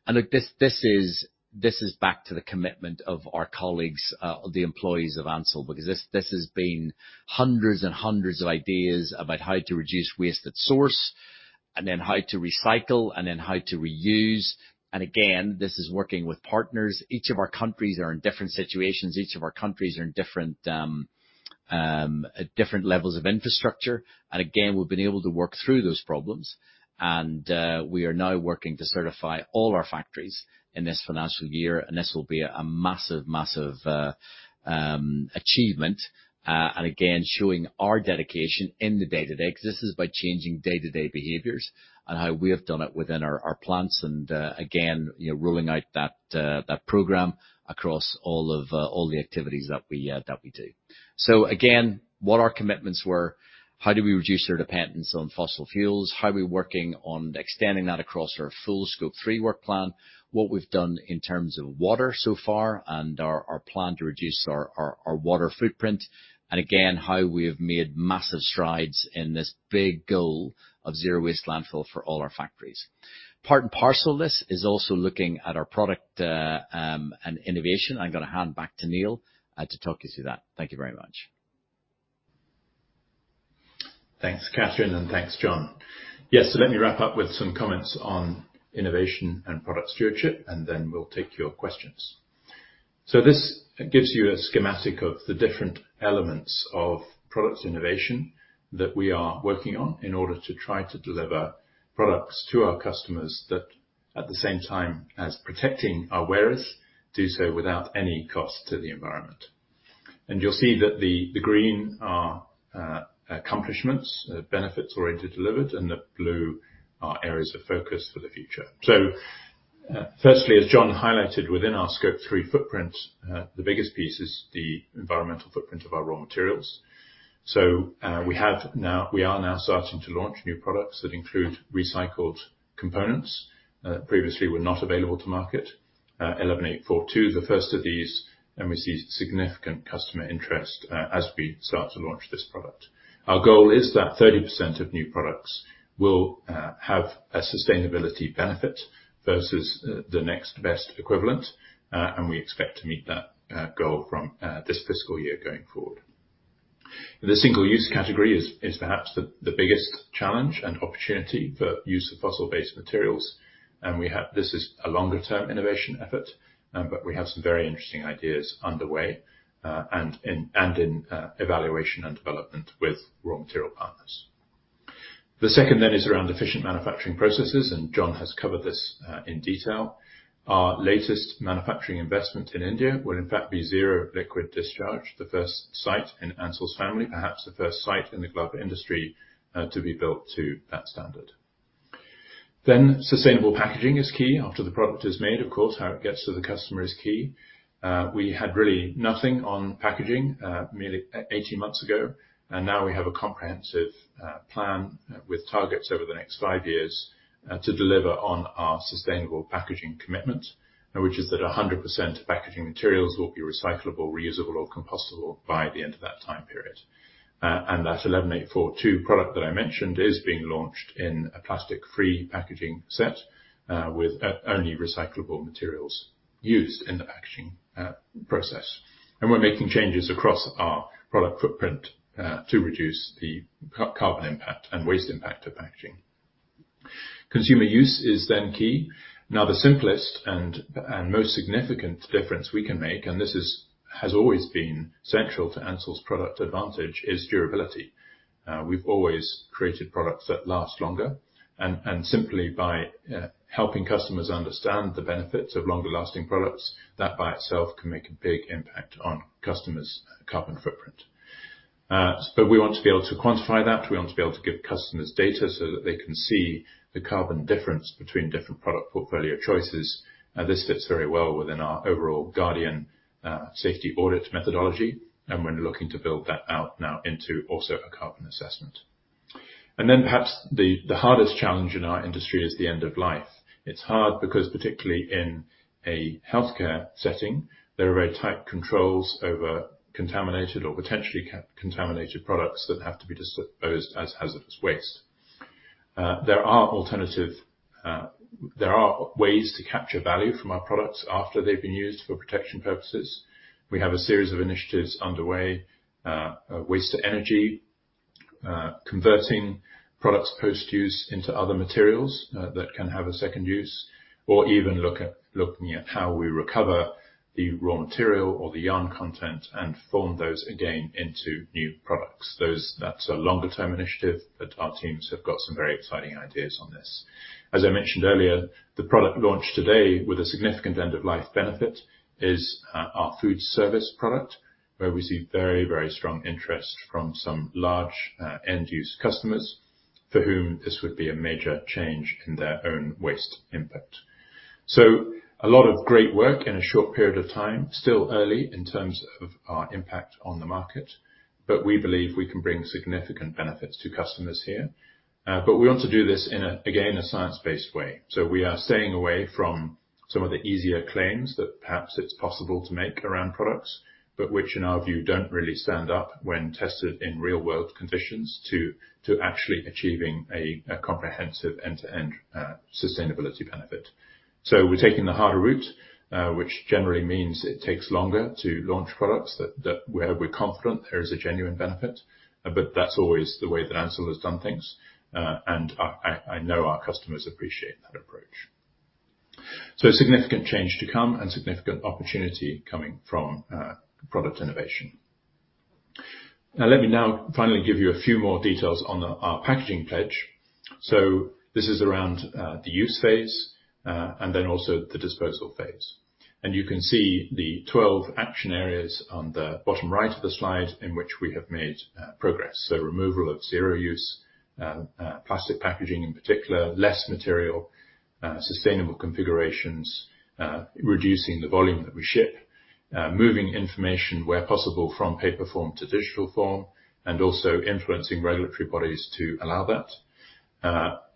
Look, this is back to the commitment of our colleagues, the employees of Ansell because this has been hundreds and hundreds of ideas about how to reduce waste at source, and then how to recycle and then how to reuse. This is working with partners. Each of our countries are in different situations. Each of our countries are in different levels of infrastructure. We've been able to work through those problems. We are now working to certify all our factories in this financial year, and this will be a massive achievement, and again, showing our dedication in the day-to-day, 'cause this is by changing day-to-day behaviors and how we have done it within our plants and, again, you know, rolling out that program across all the activities that we do. Again, what our commitments were, how do we reduce our dependence on fossil fuels, how we're working on extending that across our full Scope 3 work plan, what we've done in terms of water so far and our plan to reduce our water footprint, and again, how we have made massive strides in this big goal of zero waste landfill for all our factories. Part and parcel of this is also looking at our product and innovation. I'm gonna hand back to Neil to talk you through that. Thank you very much. Thanks, Catherine, and thanks, John. Yes. Let me wrap up with some comments on innovation and product stewardship, and then we'll take your questions. This gives you a schematic of the different elements of product innovation that we are working on in order to try to deliver products to our customers that at the same time as protecting our wearers, do so without any cost to the environment. You'll see that the green are accomplishments, benefits already delivered, and the blue are areas of focus for the future. Firstly, as John highlighted within our Scope 3 footprint, the biggest piece is the environmental footprint of our raw materials. We are now starting to launch new products that include recycled components that previously were not available to market. 11-842, the first of these, and we see significant customer interest as we start to launch this product. Our goal is that 30% of new products will have a sustainability benefit versus the next best equivalent, and we expect to meet that goal from this fiscal year going forward. The single-use category is perhaps the biggest challenge and opportunity for use of fossil-based materials, but we have some very interesting ideas underway and in evaluation and development with raw material partners. The second is around efficient manufacturing processes, and John has covered this in detail. Our latest manufacturing investment in India will in fact be zero liquid discharge, the first site in Ansell's family, perhaps the first site in the glove industry, to be built to that standard. Sustainable packaging is key. After the product is made, of course, how it gets to the customer is key. We had really nothing on packaging, merely eighteen months ago, and now we have a comprehensive plan with targets over the next five years, to deliver on our sustainable packaging commitment, which is that 100% of packaging materials will be recyclable, reusable or compostable by the end of that time period. That 11-842 product that I mentioned is being launched in a plastic-free packaging set, with only recyclable materials used in the packaging process. We're making changes across our product footprint to reduce the carbon impact and waste impact of packaging. Consumer use is then key. Now, the simplest and most significant difference we can make, and this has always been central to Ansell's product advantage, is durability. We've always created products that last longer and simply by helping customers understand the benefits of longer-lasting products, that by itself can make a big impact on customers' carbon footprint. But we want to be able to quantify that. We want to be able to give customers data so that they can see the carbon difference between different product portfolio choices. This fits very well within our overall Guardian safety audit methodology, and we're looking to build that out now into also a carbon assessment. Perhaps the hardest challenge in our industry is the end of life. It's hard because particularly in a healthcare setting, there are very tight controls over contaminated or potentially contaminated products that have to be disposed as hazardous waste. There are ways to capture value from our products after they've been used for protection purposes. We have a series of initiatives underway, waste to energy, converting products post-use into other materials, that can have a second use or even looking at how we recover the raw material or the yarn content and form those again into new products. That's a longer-term initiative, but our teams have got some very exciting ideas on this. As I mentioned earlier, the product launch today with a significant end-of-life benefit is our food service product, where we see very, very strong interest from some large end-use customers for whom this would be a major change in their own waste impact. A lot of great work in a short period of time. Still early in terms of our impact on the market, but we believe we can bring significant benefits to customers here. We want to do this in a, again, a science-based way. We are staying away from some of the easier claims that perhaps it's possible to make around products, but which in our view, don't really stand up when tested in real-world conditions to actually achieving a comprehensive end-to-end sustainability benefit. We're taking the harder route, which generally means it takes longer to launch products where we're confident there is a genuine benefit, but that's always the way that Ansell has done things. I know our customers appreciate that approach. A significant change to come and significant opportunity coming from product innovation. Now, let me finally give you a few more details on our packaging pledge. This is around the use phase and then also the disposal phase. You can see the 12 action areas on the bottom right of the slide in which we have made progress. Removal of zero-use plastic packaging in particular, less material, sustainable configurations, reducing the volume that we ship, moving information where possible from paper form to digital form, and also influencing regulatory bodies to allow that,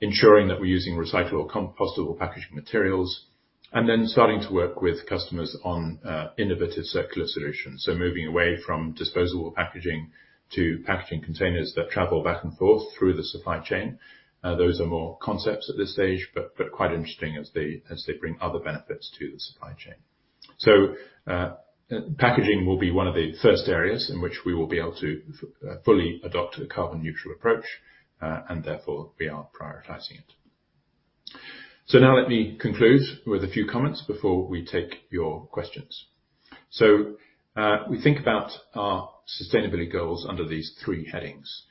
ensuring that we're using recyclable or compostable packaging materials, and then starting to work with customers on innovative circular solutions. Moving away from disposable packaging to packaging containers that travel back and forth through the supply chain. Those are more concepts at this stage, but quite interesting as they bring other benefits to the supply chain. Packaging will be one of the first areas in which we will be able to fully adopt a carbon-neutral approach, and therefore we are prioritizing it. Now let me conclude with a few comments before we take your questions. We think about our sustainability goals under these three headings.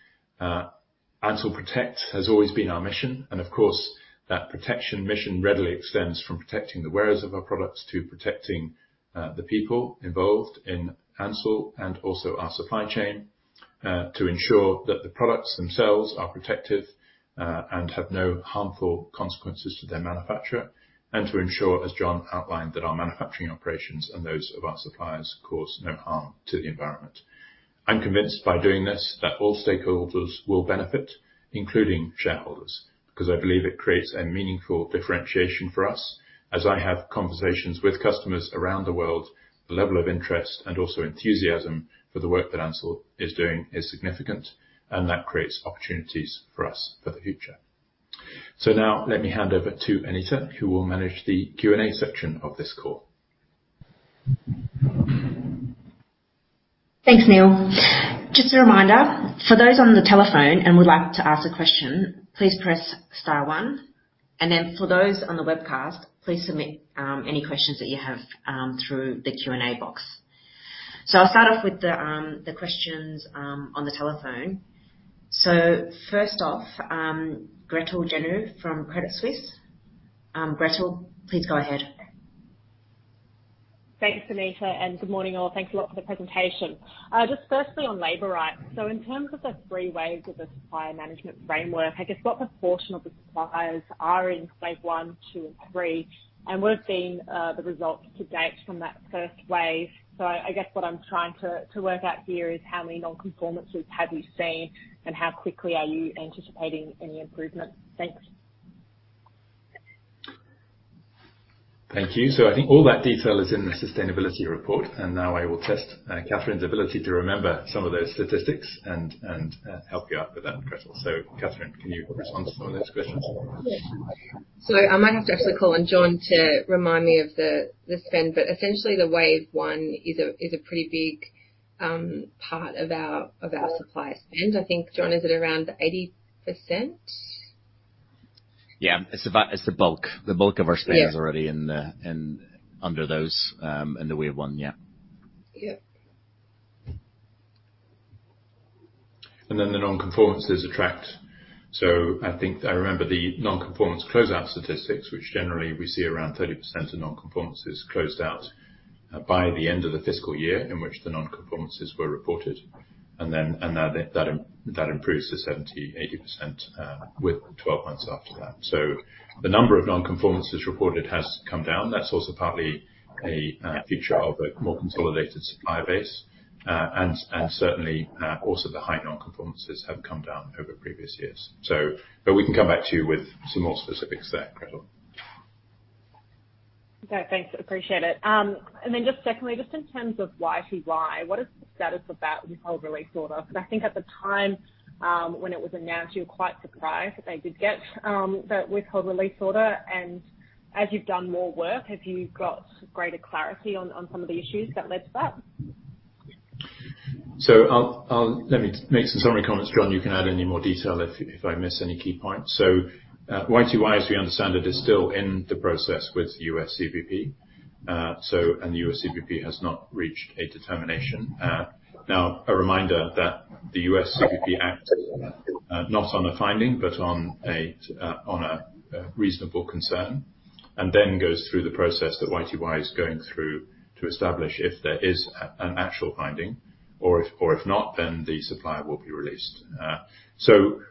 Ansell protect has always been our mission and of course, that protection mission readily extends from protecting the wearers of our products to protecting, the people involved in Ansell and also our supply chain, to ensure that the products themselves are protective, and have no harmful consequences to their manufacturer. To ensure, as John outlined, that our manufacturing operations and those of our suppliers cause no harm to the environment. I'm convinced by doing this that all stakeholders will benefit, including shareholders, because I believe it creates a meaningful differentiation for us. As I have conversations with customers around the world, the level of interest and also enthusiasm for the work that Ansell is doing is significant, and that creates opportunities for us for the future. Now let me hand over to Anita, who will manage the Q&A section of this call. Thanks, Neil. Just a reminder, for those on the telephone and would like to ask a question, please press star one, and then for those on the webcast, please submit any questions that you have through the Q&A box. I'll start off with the questions on the telephone. First off, Gretel Janu from Credit Suisse. Gretel, please go ahead. Thanks, Anita, and good morning, all. Thanks a lot for the presentation. Just firstly on labor rights. In terms of the three waves of the supplier management framework, I guess what proportion of the suppliers are in Wave One, Two, and Three? What have been the results to date from that first wave? I guess what I'm trying to work out here is how many non-conformities have you seen and how quickly are you anticipating any improvements? Thanks. Thank you. I think all that detail is in the sustainability report, and now I will test Catherine's ability to remember some of those statistics and help you out with that, Gretel. Catherine, can you respond to some of those questions? I might have to actually call on John to remind me of the spend, but essentially the wave one is a pretty big part of our supplier spend. I think John, is it around 80%? Yeah. It's the bulk of our spend- Yeah Is already in the Wave One. Yeah. Yep. The non-conformances are tracked. I think I remember the non-conformance closeout statistics, which generally we see around 30% of non-conformances closed out by the end of the fiscal year in which the non-conformances were reported. That improves to 70%-80% with 12 months after that. The number of non-conformances reported has come down. That's also partly a feature of a more consolidated supplier base. And certainly, also the high non-conformances have come down over previous years. We can come back to you with some more specifics there, Gretel. Okay, thanks. Appreciate it. And then just secondly, just in terms of YTY, what is the status of that withhold release order? Because I think at the time, when it was announced, you were quite surprised that they did get that withhold release order. As you've done more work, have you got greater clarity on some of the issues that led to that? Let me make some summary comments. John, you can add any more detail if I miss any key points. YTY, as we understand it, is still in the process with CBP. The CBP has not reached a determination. Now, a reminder that the CBP acts not on a finding, but on a reasonable concern, and then goes through the process that YTY is going through to establish if there is an actual finding or if not, then the supplier will be released.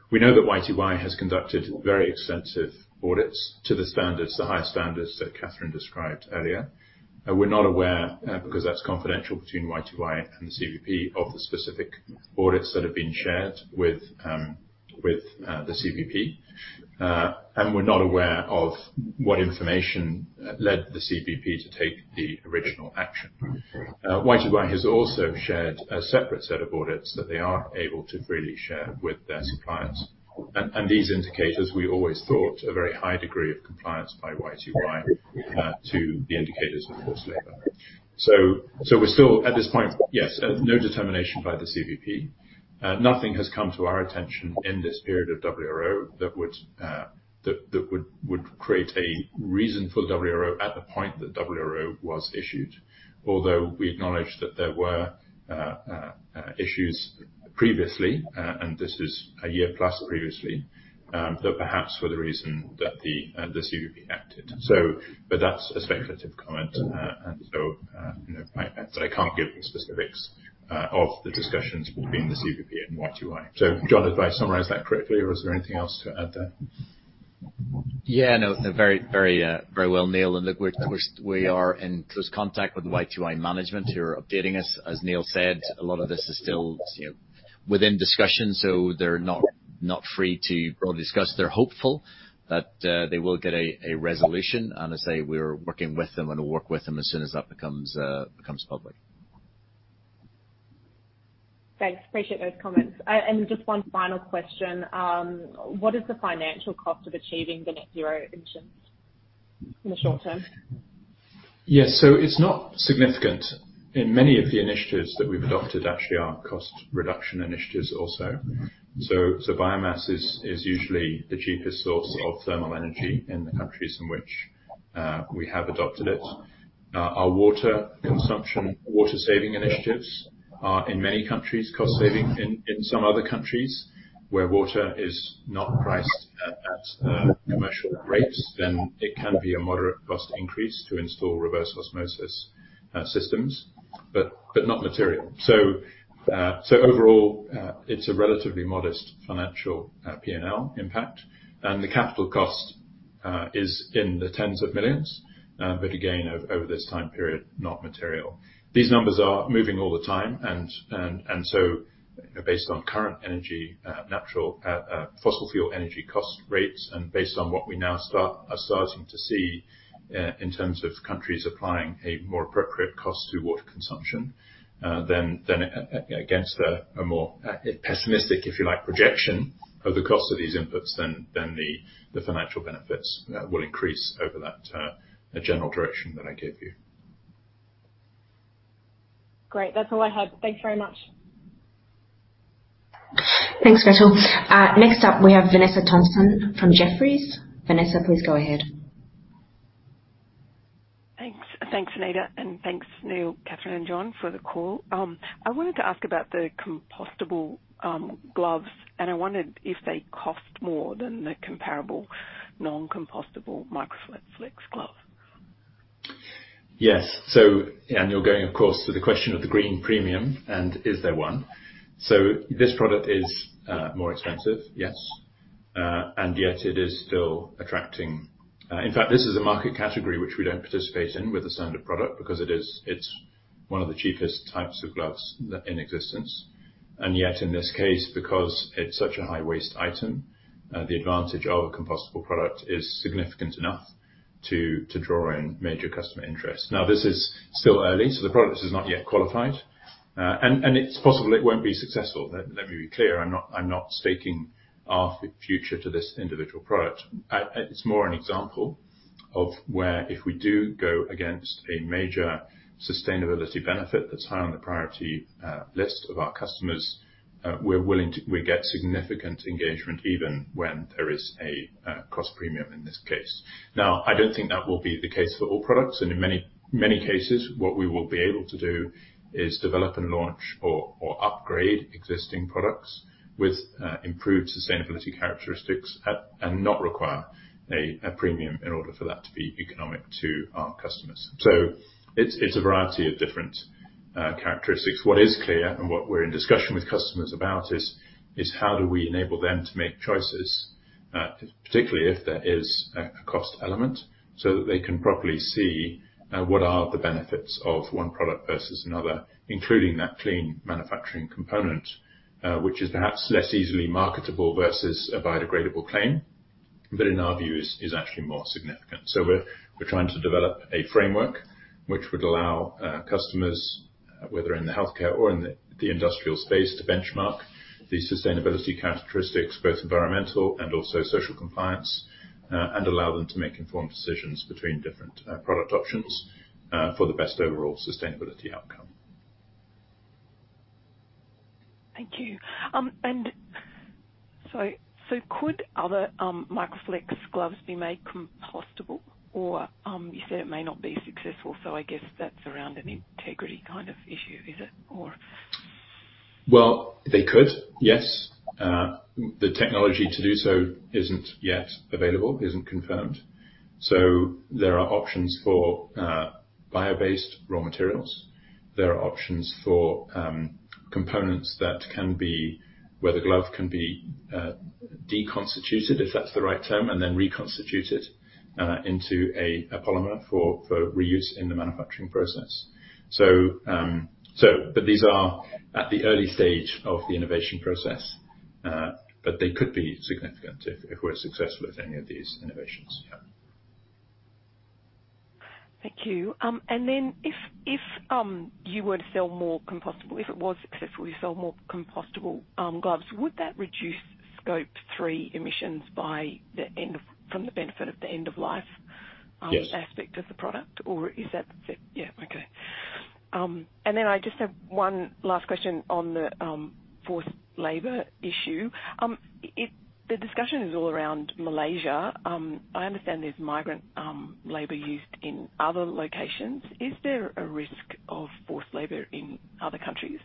We know that YTY has conducted very extensive audits to the standards, the high standards that Catherine described earlier. We're not aware, because that's confidential between YTY and the CBP, of the specific audits that have been shared with the CBP. We're not aware of what information led the CBP to take the original action. YTY has also shared a separate set of audits that they are able to freely share with their suppliers. These indicators, we always thought a very high degree of compliance by YTY to the indicators, of course, labor. We're still at this point, yes, no determination by the CBP. Nothing has come to our attention in this period of WRO that would create a reason for the WRO at the point that WRO was issued. Although we acknowledge that there were issues previously, and this is a year plus previously, that perhaps were the reason that the CBP acted. But that's a speculative comment. You know, I can't give specifics of the discussions between the CBP and YTY. John, have I summarized that correctly or is there anything else to add there? Yeah. No, very well, Neil. Look, we are in close contact with YTY management who are updating us. As Neil said, a lot of this is still, you know, within discussion, so they're not free to broadly discuss. They're hopeful that they will get a resolution and as I say we're working with them and will work with them as soon as that becomes public. Thanks. Appreciate those comments. Just one final question. What is the financial cost of achieving the net zero emissions in the short term? Yes. It's not significant. In many of the initiatives that we've adopted actually are cost reduction initiatives also. Biomass is usually the cheapest source of thermal energy in the countries in which we have adopted it. Our water consumption water-saving initiatives are in many countries cost-saving, in some other countries where water is not priced at commercial rates, then it can be a moderate cost increase to install reverse osmosis systems, but not material. Overall, it's a relatively modest financial P&L impact, and the capital cost is in the $10s of millions. Again, over this time period, not material. These numbers are moving all the time, so based on current energy, fossil fuel energy cost rates and based on what we are starting to see in terms of countries applying a more appropriate cost to water consumption, then against a more pessimistic, if you like, projection of the cost of these inputs than the financial benefits will increase over that general direction that I gave you. Great. That's all I had. Thanks very much. Thanks, Gretel. Next up, we have Vanessa Thomson from Jefferies. Vanessa, please go ahead. Thanks. Thanks, Anita, and thanks, Neil, Catherine, and John for the call. I wanted to ask about the compostable gloves, and I wondered if they cost more than the comparable non-compostable MICROFLEX gloves? Yes. You're going, of course, to the question of the green premium and is there one? This product is more expensive, yes, and yet it is still attracting. In fact, this is a market category which we don't participate in with a standard product because it's one of the cheapest types of gloves in existence. Yet, in this case, because it's such a high waste item, the advantage of a compostable product is significant enough to draw in major customer interest. Now, this is still early, so the product is not yet qualified, and it's possible it won't be successful. Let me be clear, I'm not staking our future to this individual product. It's more an example of where if we do go against a major sustainability benefit that's high on the priority list of our customers, we get significant engagement even when there is a cost premium in this case. Now, I don't think that will be the case for all products, and in many cases what we will be able to do is develop and launch or upgrade existing products with improved sustainability characteristics and not require a premium in order for that to be economic to our customers. It's a variety of different characteristics. What is clear and what we're in discussion with customers about is how do we enable them to make choices, particularly if there is a cost element, so that they can properly see what are the benefits of one product versus another, including that clean manufacturing component, which is perhaps less easily marketable versus a biodegradable claim, but in our view is actually more significant. We're trying to develop a framework which would allow customers, whether in the healthcare or in the industrial space, to benchmark the sustainability characteristics, both environmental and also social compliance, and allow them to make informed decisions between different product options for the best overall sustainability outcome. Thank you. Could other MICROFLEX gloves be made compostable, or you said it may not be successful, so I guess that's around an integrity kind of issue, is it, or? Well, they could, yes. The technology to do so isn't yet available, isn't confirmed. There are options for bio-based raw materials. There are options for components where the glove can be deconstituted, if that's the right term, and then reconstituted into a polymer for reuse in the manufacturing process. But these are at the early stage of the innovation process, but they could be significant if we're successful with any of these innovations, yeah. Thank you. If you were to sell more compostable, if it was successful, you sell more compostable gloves, would that reduce Scope 3 emissions from the benefit of the end of life? Yes. Yeah. Okay. I just have one last question on the forced labor issue. The discussion is all around Malaysia. I understand there's migrant labor used in other locations. Is there a risk of forced labor in other countries?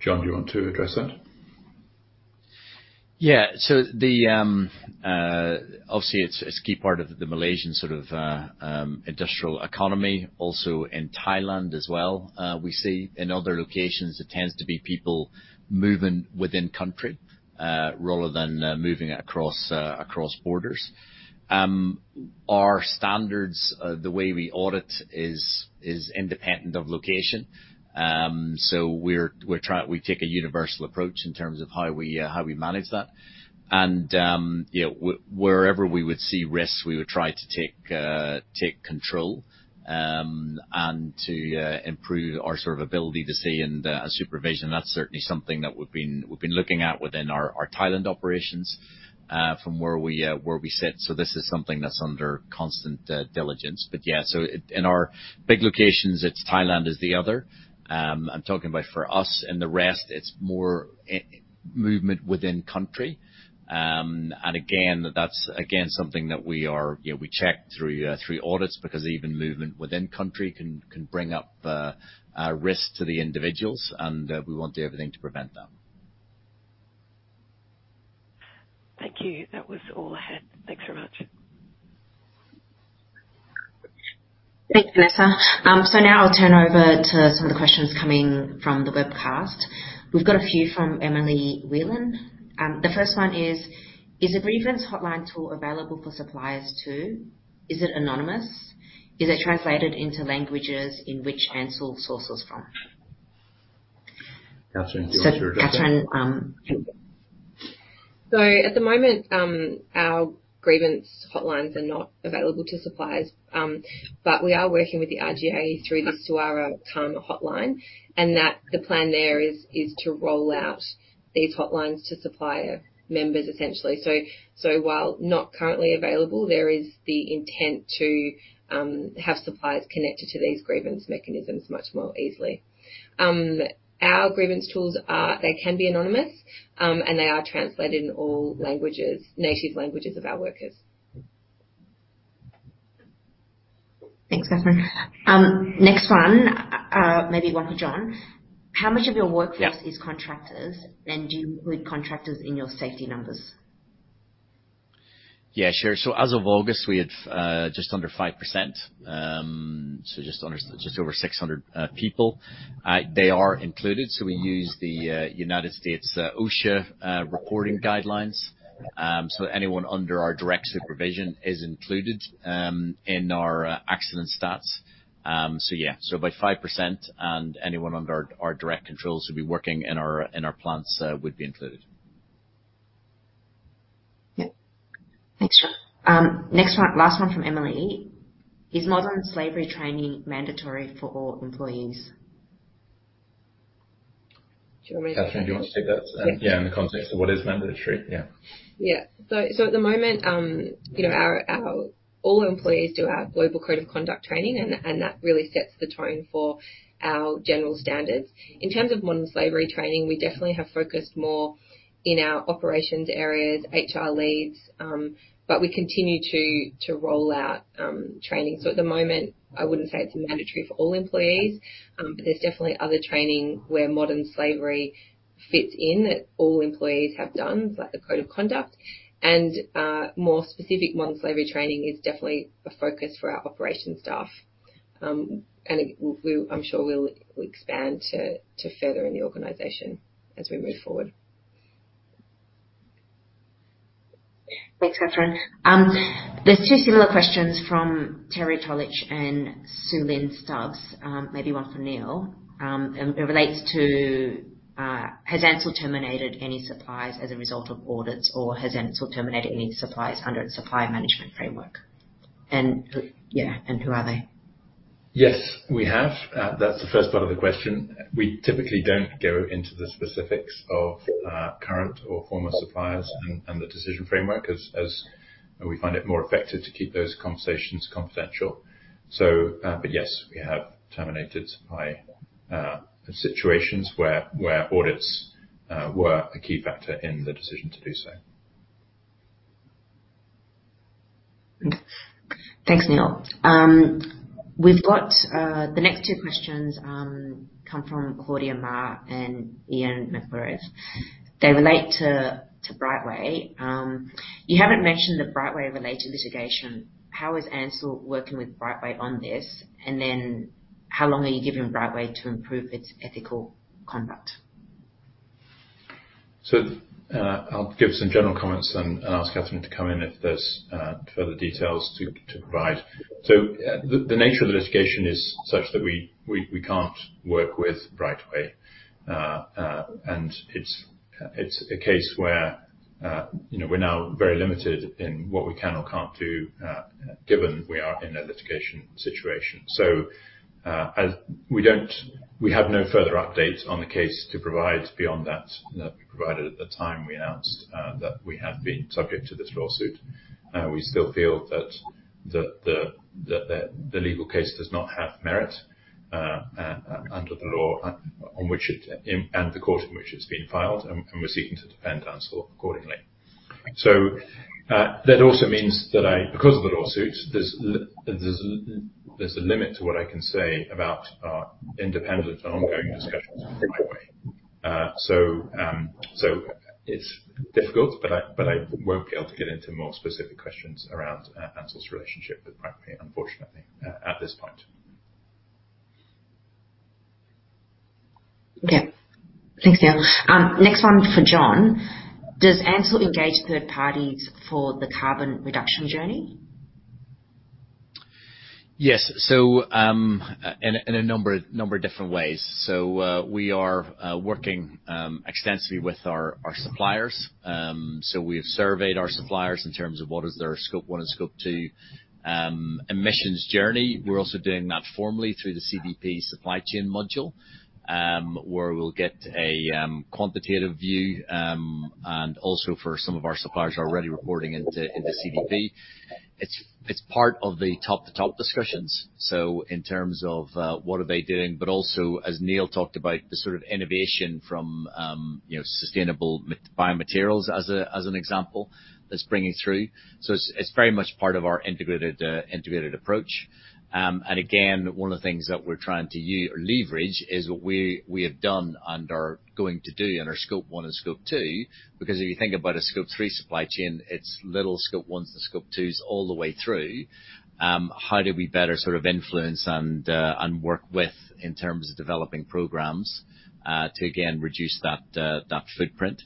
John, do you want to address that? Obviously it's a key part of the Malaysian sort of industrial economy, also in Thailand as well. We see in other locations it tends to be people moving within country rather than moving across borders. Our standards, the way we audit, is independent of location. We take a universal approach in terms of how we manage that. You know, wherever we would see risks, we would try to take control and to improve our sort of ability to see and supervision. That's certainly something that we've been looking at within our Thailand operations. From where we sit. This is something that's under constant diligence. In our big locations it's Thailand is the other. I'm talking about for us and the rest, it's more movement within country. And again, that's something that we are, you know, we check through audits because even movement within country can bring up risk to the individuals and we want to do everything to prevent that. Thank you. That was all I had. Thanks very much. Thanks, Vanessa. Now I'll turn over to some of the questions coming from the webcast. We've got a few from Emily Whelan. The first one is the grievance hotline tool available for suppliers too? Is it anonymous? Is it translated into languages in which Ansell sources from? Catherine, do you want to take that? Catherine. At the moment, our grievance hotlines are not available to suppliers, but we are working with the RGA through the Suara Kami hotline, and that the plan there is to roll out these hotlines to supplier members essentially. While not currently available, there is the intent to have suppliers connected to these grievance mechanisms much more easily. Our grievance tools are. They can be anonymous, and they are translated in all languages, native languages of our workers. Thanks, Catherine. Next one, maybe one for John. How much of your workforce- Yeah. Do you include contractors in your safety numbers? Yeah, sure. As of August, we had just under 5%. Just under, just over 600 people. They are included. We use the United States OSHA reporting guidelines. Anyone under our direct supervision is included in our accident stats. Yeah. About 5% and anyone under our direct controls would be working in our plants would be included. Yeah. Thanks, John. Next one. Last one from Emily. Is modern slavery training mandatory for all employees? Do you want me to- Catherine, do you want to take that? Sure. Yeah, in the context of what is mandatory. Yeah. Yeah. So at the moment, you know, all employees do our global code of conduct training and that really sets the tone for our general standards. In terms of modern slavery training, we definitely have focused more in our operations areas, HR leads, but we continue to roll out training. At the moment, I wouldn't say it's mandatory for all employees. There's definitely other training where modern slavery fits in that all employees have done, like the code of conduct. More specific modern slavery training is definitely a focus for our operations staff. I'm sure we'll expand to further in the organization as we move forward. Thanks, Catherine. There's 2 similar questions from Terry Tolich and Sue Lyn Stubbs, maybe one for Neil. It relates to has Ansell terminated any suppliers as a result of audits or has Ansell terminated any suppliers under its supplier management framework? Who are they? Yes, we have. That's the first part of the question. We typically don't go into the specifics of current or former suppliers and the decision framework as we find it more effective to keep those conversations confidential. Yes, we have terminated supply situations where audits were a key factor in the decision to do so. Thanks, Neil. We've got the next two questions come from Claudia Ma and [Ian McAreeve. They relate to Brightway. You haven't mentioned the Brightway-related litigation. How is Ansell working with Brightway on this? And then how long are you giving Brightway to improve its ethical conduct? I'll give some general comments and ask Catherine to come in if there's further details to provide. The nature of the litigation is such that we can't work with Brightway. It's a case where, you know, we're now very limited in what we can or can't do, given we are in a litigation situation. We have no further updates on the case to provide beyond that we provided at the time we announced that we have been subject to this lawsuit. We still feel that the legal case does not have merit under the law on which, and the court in which it's been filed, and we're seeking to defend Ansell accordingly. That also means that because of the lawsuit, there's a limit to what I can say about our independent and ongoing discussions with Brightway. It's difficult, but I won't be able to get into more specific questions around Ansell's relationship with Brightway, unfortunately, at this point. Okay. Thanks, Neil. Next one for John. Does Ansell engage third parties for the carbon reduction journey? Yes. In a number of different ways. We are working extensively with our suppliers. We have surveyed our suppliers in terms of what is their Scope 1 and Scope 2 emissions journey. We're also doing that formally through the CDP Supply Chain module, where we'll get a quantitative view, and also for some of our suppliers who are already reporting into CDP. It's part of the top to top discussions. In terms of what are they doing, but also as Neil talked about, the sort of innovation from you know sustainable biomaterials as an example that's bringing through. It's very much part of our integrated approach. One of the things that we're trying to leverage is what we have done and are going to do on our Scope 1 and Scope 2, because if you think about a Scope 3 supply chain, it's little Scope 1s and Scope 2s all the way through. How do we better sort of influence and work with in terms of developing programs to again reduce that footprint?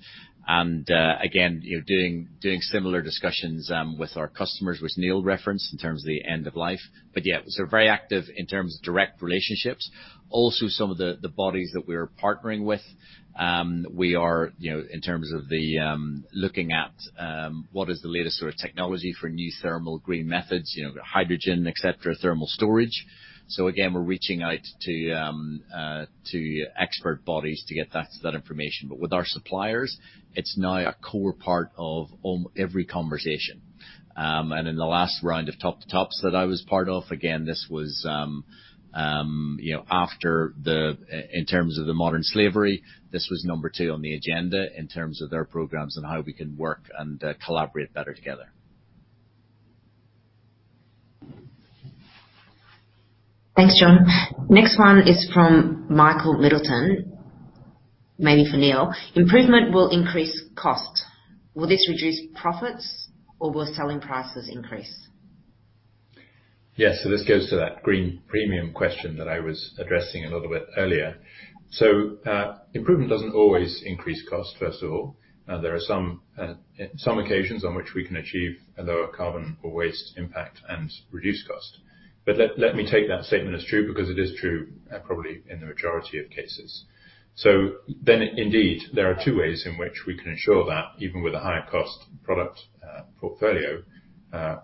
You know, doing similar discussions with our customers, which Neil referenced in terms of the end of life. Yeah, very active in terms of direct relationships. Also some of the bodies that we're partnering with, you know, in terms of looking at what is the latest sort of technology for new thermal green methods, you know, hydrogen, et cetera, thermal storage. Again, we're reaching out to expert bodies to get that information. With our suppliers, it's now a core part of every conversation. In the last round of top to tops that I was part of, again, you know, after the modern slavery, this was number two on the agenda in terms of their programs and how we can work and collaborate better together. Thanks, John. Next one is from Michael Middleton, mainly for Neil. Improvement will increase cost. Will this reduce profits or will selling prices increase? Yes. This goes to that green premium question that I was addressing a little bit earlier. Improvement doesn't always increase cost, first of all. There are some occasions on which we can achieve a lower carbon or waste impact and reduce cost. Let me take that statement as true, because it is true, probably in the majority of cases. Indeed, there are two ways in which we can ensure that even with a higher cost product portfolio,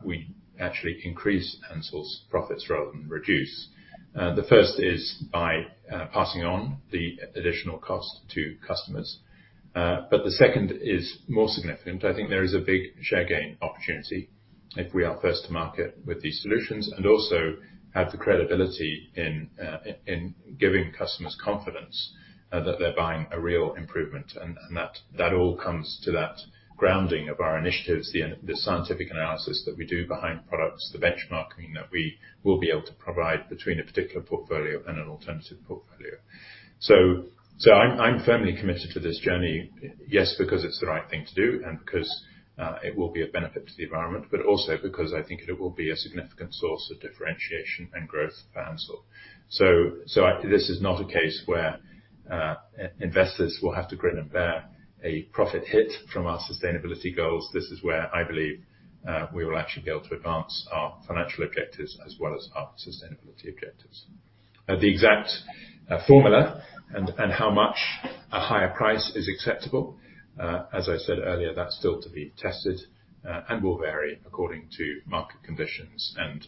we actually increase Ansell's profits rather than reduce. The first is by passing on the additional cost to customers. The second is more significant. I think there is a big share gain opportunity if we are first to market with these solutions, and also have the credibility in giving customers confidence that they're buying a real improvement. That all comes to that grounding of our initiatives, the scientific analysis that we do behind products, the benchmarking that we will be able to provide between a particular portfolio and an alternative portfolio. I'm firmly committed to this journey. Yes, because it's the right thing to do, and because it will be a benefit to the environment, but also because I think it will be a significant source of differentiation and growth for Ansell. This is not a case where investors will have to grin and bear a profit hit from our sustainability goals. This is where I believe we will actually be able to advance our financial objectives as well as our sustainability objectives. The exact formula and how much a higher price is acceptable, as I said earlier, that's still to be tested and will vary according to market conditions and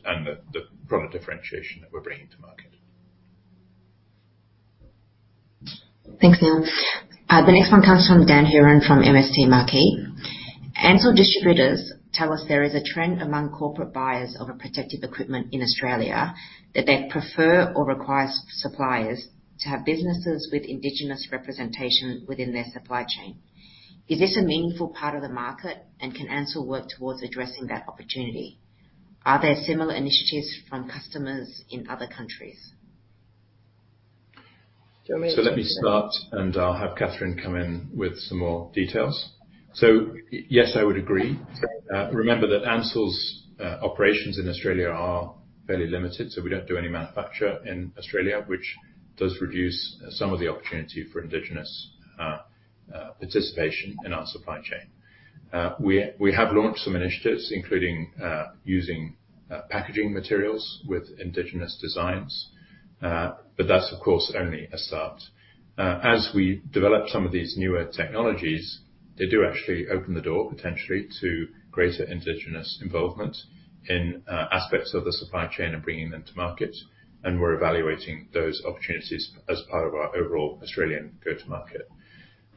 the product differentiation that we're bringing to market. Thanks, Neil. The next one comes from Dan Hurren from MST Marquee. Ansell distributors tell us there is a trend among corporate buyers of protective equipment in Australia that they prefer or require suppliers to have businesses with indigenous representation within their supply chain. Is this a meaningful part of the market, and can Ansell work towards addressing that opportunity? Are there similar initiatives from customers in other countries? Do you want me to- Let me start, and I'll have Catherine come in with some more details. Yes, I would agree. Remember that Ansell's operations in Australia are fairly limited, so we don't do any manufacture in Australia, which does reduce some of the opportunity for indigenous participation in our supply chain. We have launched some initiatives, including using packaging materials with indigenous designs. But that's of course only a start. As we develop some of these newer technologies, they do actually open the door potentially to greater indigenous involvement in aspects of the supply chain and bringing them to market, and we're evaluating those opportunities as part of our overall Australian go-to market.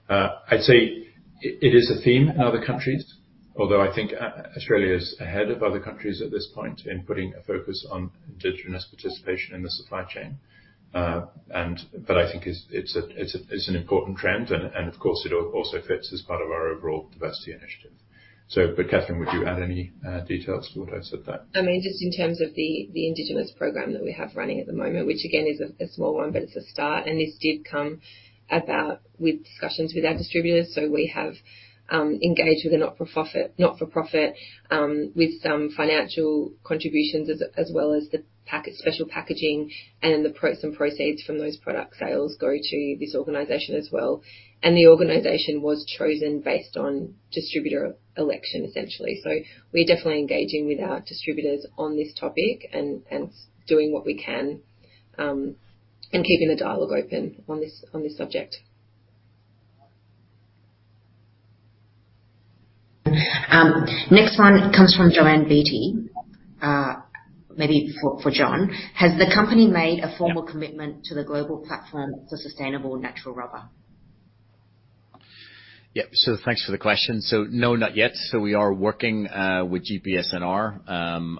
I'd say it is a theme in other countries, although I think Australia is ahead of other countries at this point in putting a focus on indigenous participation in the supply chain. I think it's an important trend and of course, it also fits as part of our overall diversity initiative. Catherine, would you add any details to what I said there? I mean, just in terms of the indigenous program that we have running at the moment, which again is a small one, but it's a start, and this did come about with discussions with our distributors. We have engaged with a not-for-profit with some financial contributions as well as special packaging and some proceeds from those product sales go to this organization as well. The organization was chosen based on distributor election, essentially. We're definitely engaging with our distributors on this topic and doing what we can. Keeping the dialogue open on this, on this subject. Next one comes from Joanne Beatty. Maybe for John. Has the company made a formal commitment to the Global Platform for Sustainable Natural Rubber? Yeah. Thanks for the question. No, not yet. We are working with GPSNR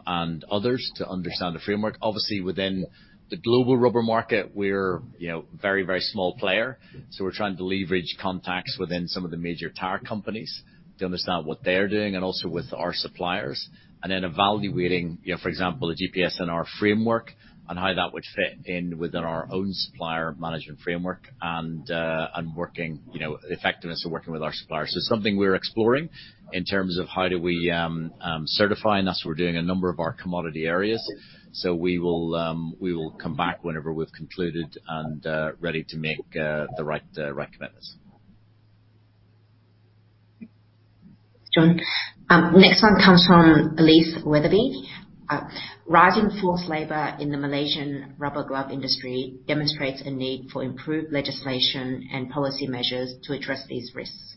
and others to understand the framework. Obviously within the global rubber market, we're, you know, very, very small player. We're trying to leverage contacts within some of the major tire companies to understand what they're doing and also with our suppliers. Evaluating, you know, for example, the GPSNR framework on how that would fit in within our own supplier management framework and working, you know, effectiveness of working with our suppliers. Something we're exploring in terms of how do we certify, and that's what we're doing a number of our commodity areas. We will come back whenever we've concluded and ready to make the right commitments. John. Next one comes from Elise Weatherby. Rising forced labor in the Malaysian rubber glove industry demonstrates a need for improved legislation and policy measures to address these risks.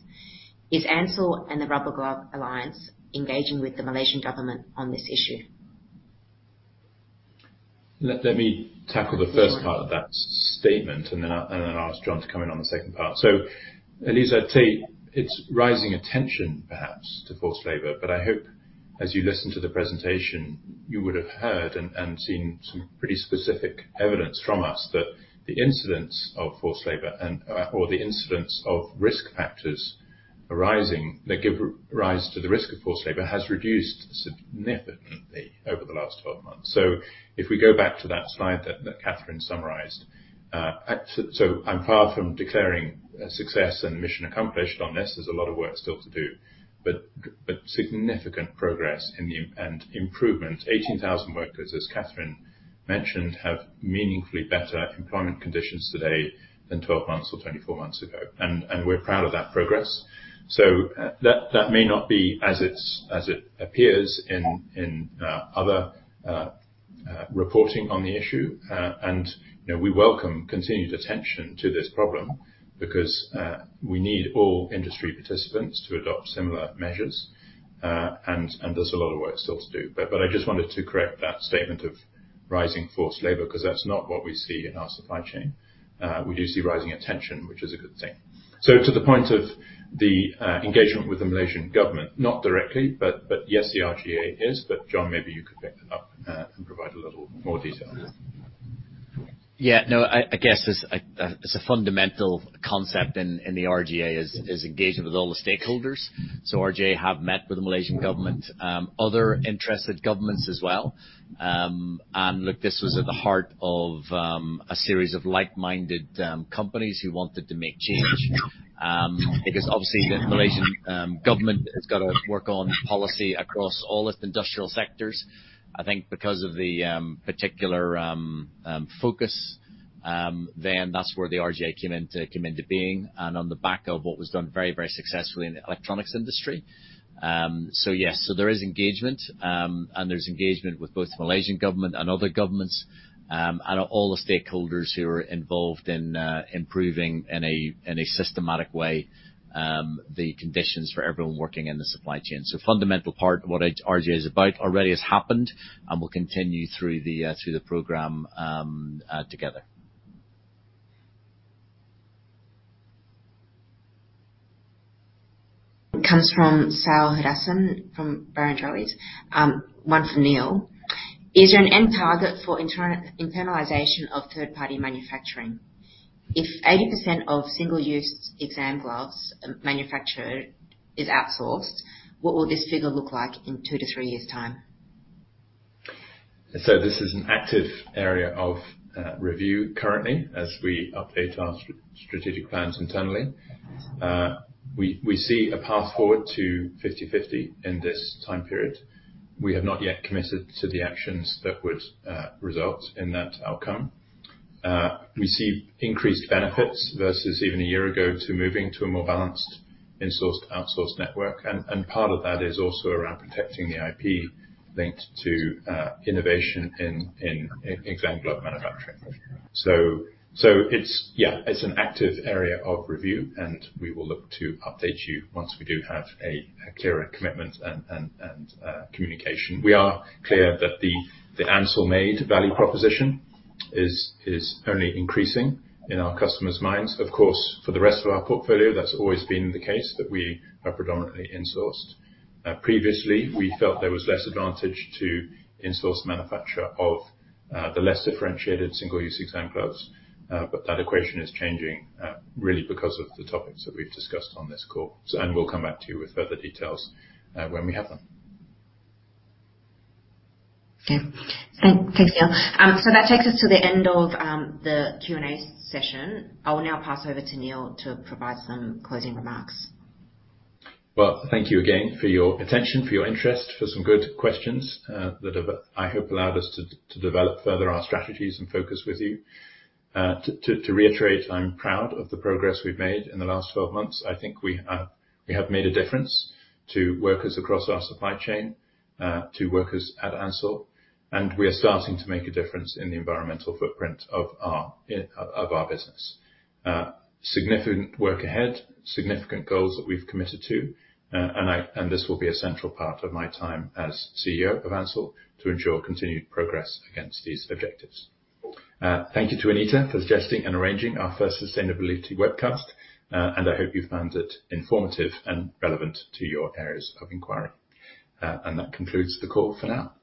Is Ansell and the Responsible Glove Alliance engaging with the Malaysian government on this issue? Let me tackle the first part of that statement and then I'll ask John to come in on the second part. Elise, I'd say it's rising attention perhaps to forced labor, but I hope as you listen to the presentation, you would've heard and seen some pretty specific evidence from us that the incidents of forced labor and or the incidents of risk factors arising that give rise to the risk of forced labor has reduced significantly over the last 12 months. If we go back to that slide that Catherine summarized. I'm far from declaring a success and mission accomplished on this. There's a lot of work still to do, but significant progress in the and improvement. 18,000 workers, as Catherine mentioned, have meaningfully better employment conditions today than 12 months or 24 months ago. We're proud of that progress. That may not be as it appears in other reporting on the issue. You know, we welcome continued attention to this problem because we need all industry participants to adopt similar measures. There's a lot of work still to do. I just wanted to correct that statement of rising forced labor 'cause that's not what we see in our supply chain. We do see rising attention, which is a good thing. To the point of the engagement with the Malaysian government, not directly, yes, the RGA is. John, maybe you could pick that up and provide a little more detail on that. No, I guess as a fundamental concept in the RGA is engaging with all the stakeholders. RGA have met with the Malaysian government, other interested governments as well. Look, this was at the heart of a series of like-minded companies who wanted to make change. Because obviously the Malaysian government has got to work on policy across all its industrial sectors. I think because of the particular focus, then that's where the RGA came into being and on the back of what was done very, very successfully in the electronics industry. Yes. There is engagement, and there's engagement with both Malaysian government and other governments, and all the stakeholders who are involved in improving in a systematic way the conditions for everyone working in the supply chain. Fundamental part of what RGA is about already has happened and will continue through the program together. Comes from Saul Hadassin from Barrenjoey. One for Neil. Is there an end target for internalization of third-party manufacturing? If 80% of single-use exam gloves manufactured is outsourced, what will this figure look like in two to three years time? This is an active area of review currently as we update our strategic plans internally. We see a path forward to 50/50 in this time period. We have not yet committed to the actions that would result in that outcome. We see increased benefits versus even a year ago to moving to a more balanced insourced, outsourced network. Part of that is also around protecting the IP linked to innovation in exam glove manufacturing. It's an active area of review, and we will look to update you once we do have a clearer commitment and communication. We are clear that the Ansell made value proposition is only increasing in our customers' minds. Of course, for the rest of our portfolio, that's always been the case that we are predominantly insourced. Previously, we felt there was less advantage to insourced manufacture of the less differentiated single use exam gloves. That equation is changing really because of the topics that we've discussed on this call. We'll come back to you with further details when we have them. Okay. Thanks, Neil. That takes us to the end of the Q&A session. I will now pass over to Neil to provide some closing remarks. Well, thank you again for your attention, for your interest, for some good questions that have, I hope allowed us to to develop further our strategies and focus with you. To reiterate, I'm proud of the progress we've made in the last 12 months. I think we have made a difference to workers across our supply chain, to workers at Ansell, and we are starting to make a difference in the environmental footprint of our business. Significant work ahead, significant goals that we've committed to, and this will be a central part of my time as CEO of Ansell to ensure continued progress against these objectives. Thank you to Anita for suggesting and arranging our first sustainability webcast, and I hope you found it informative and relevant to your areas of inquiry. That concludes the call for now.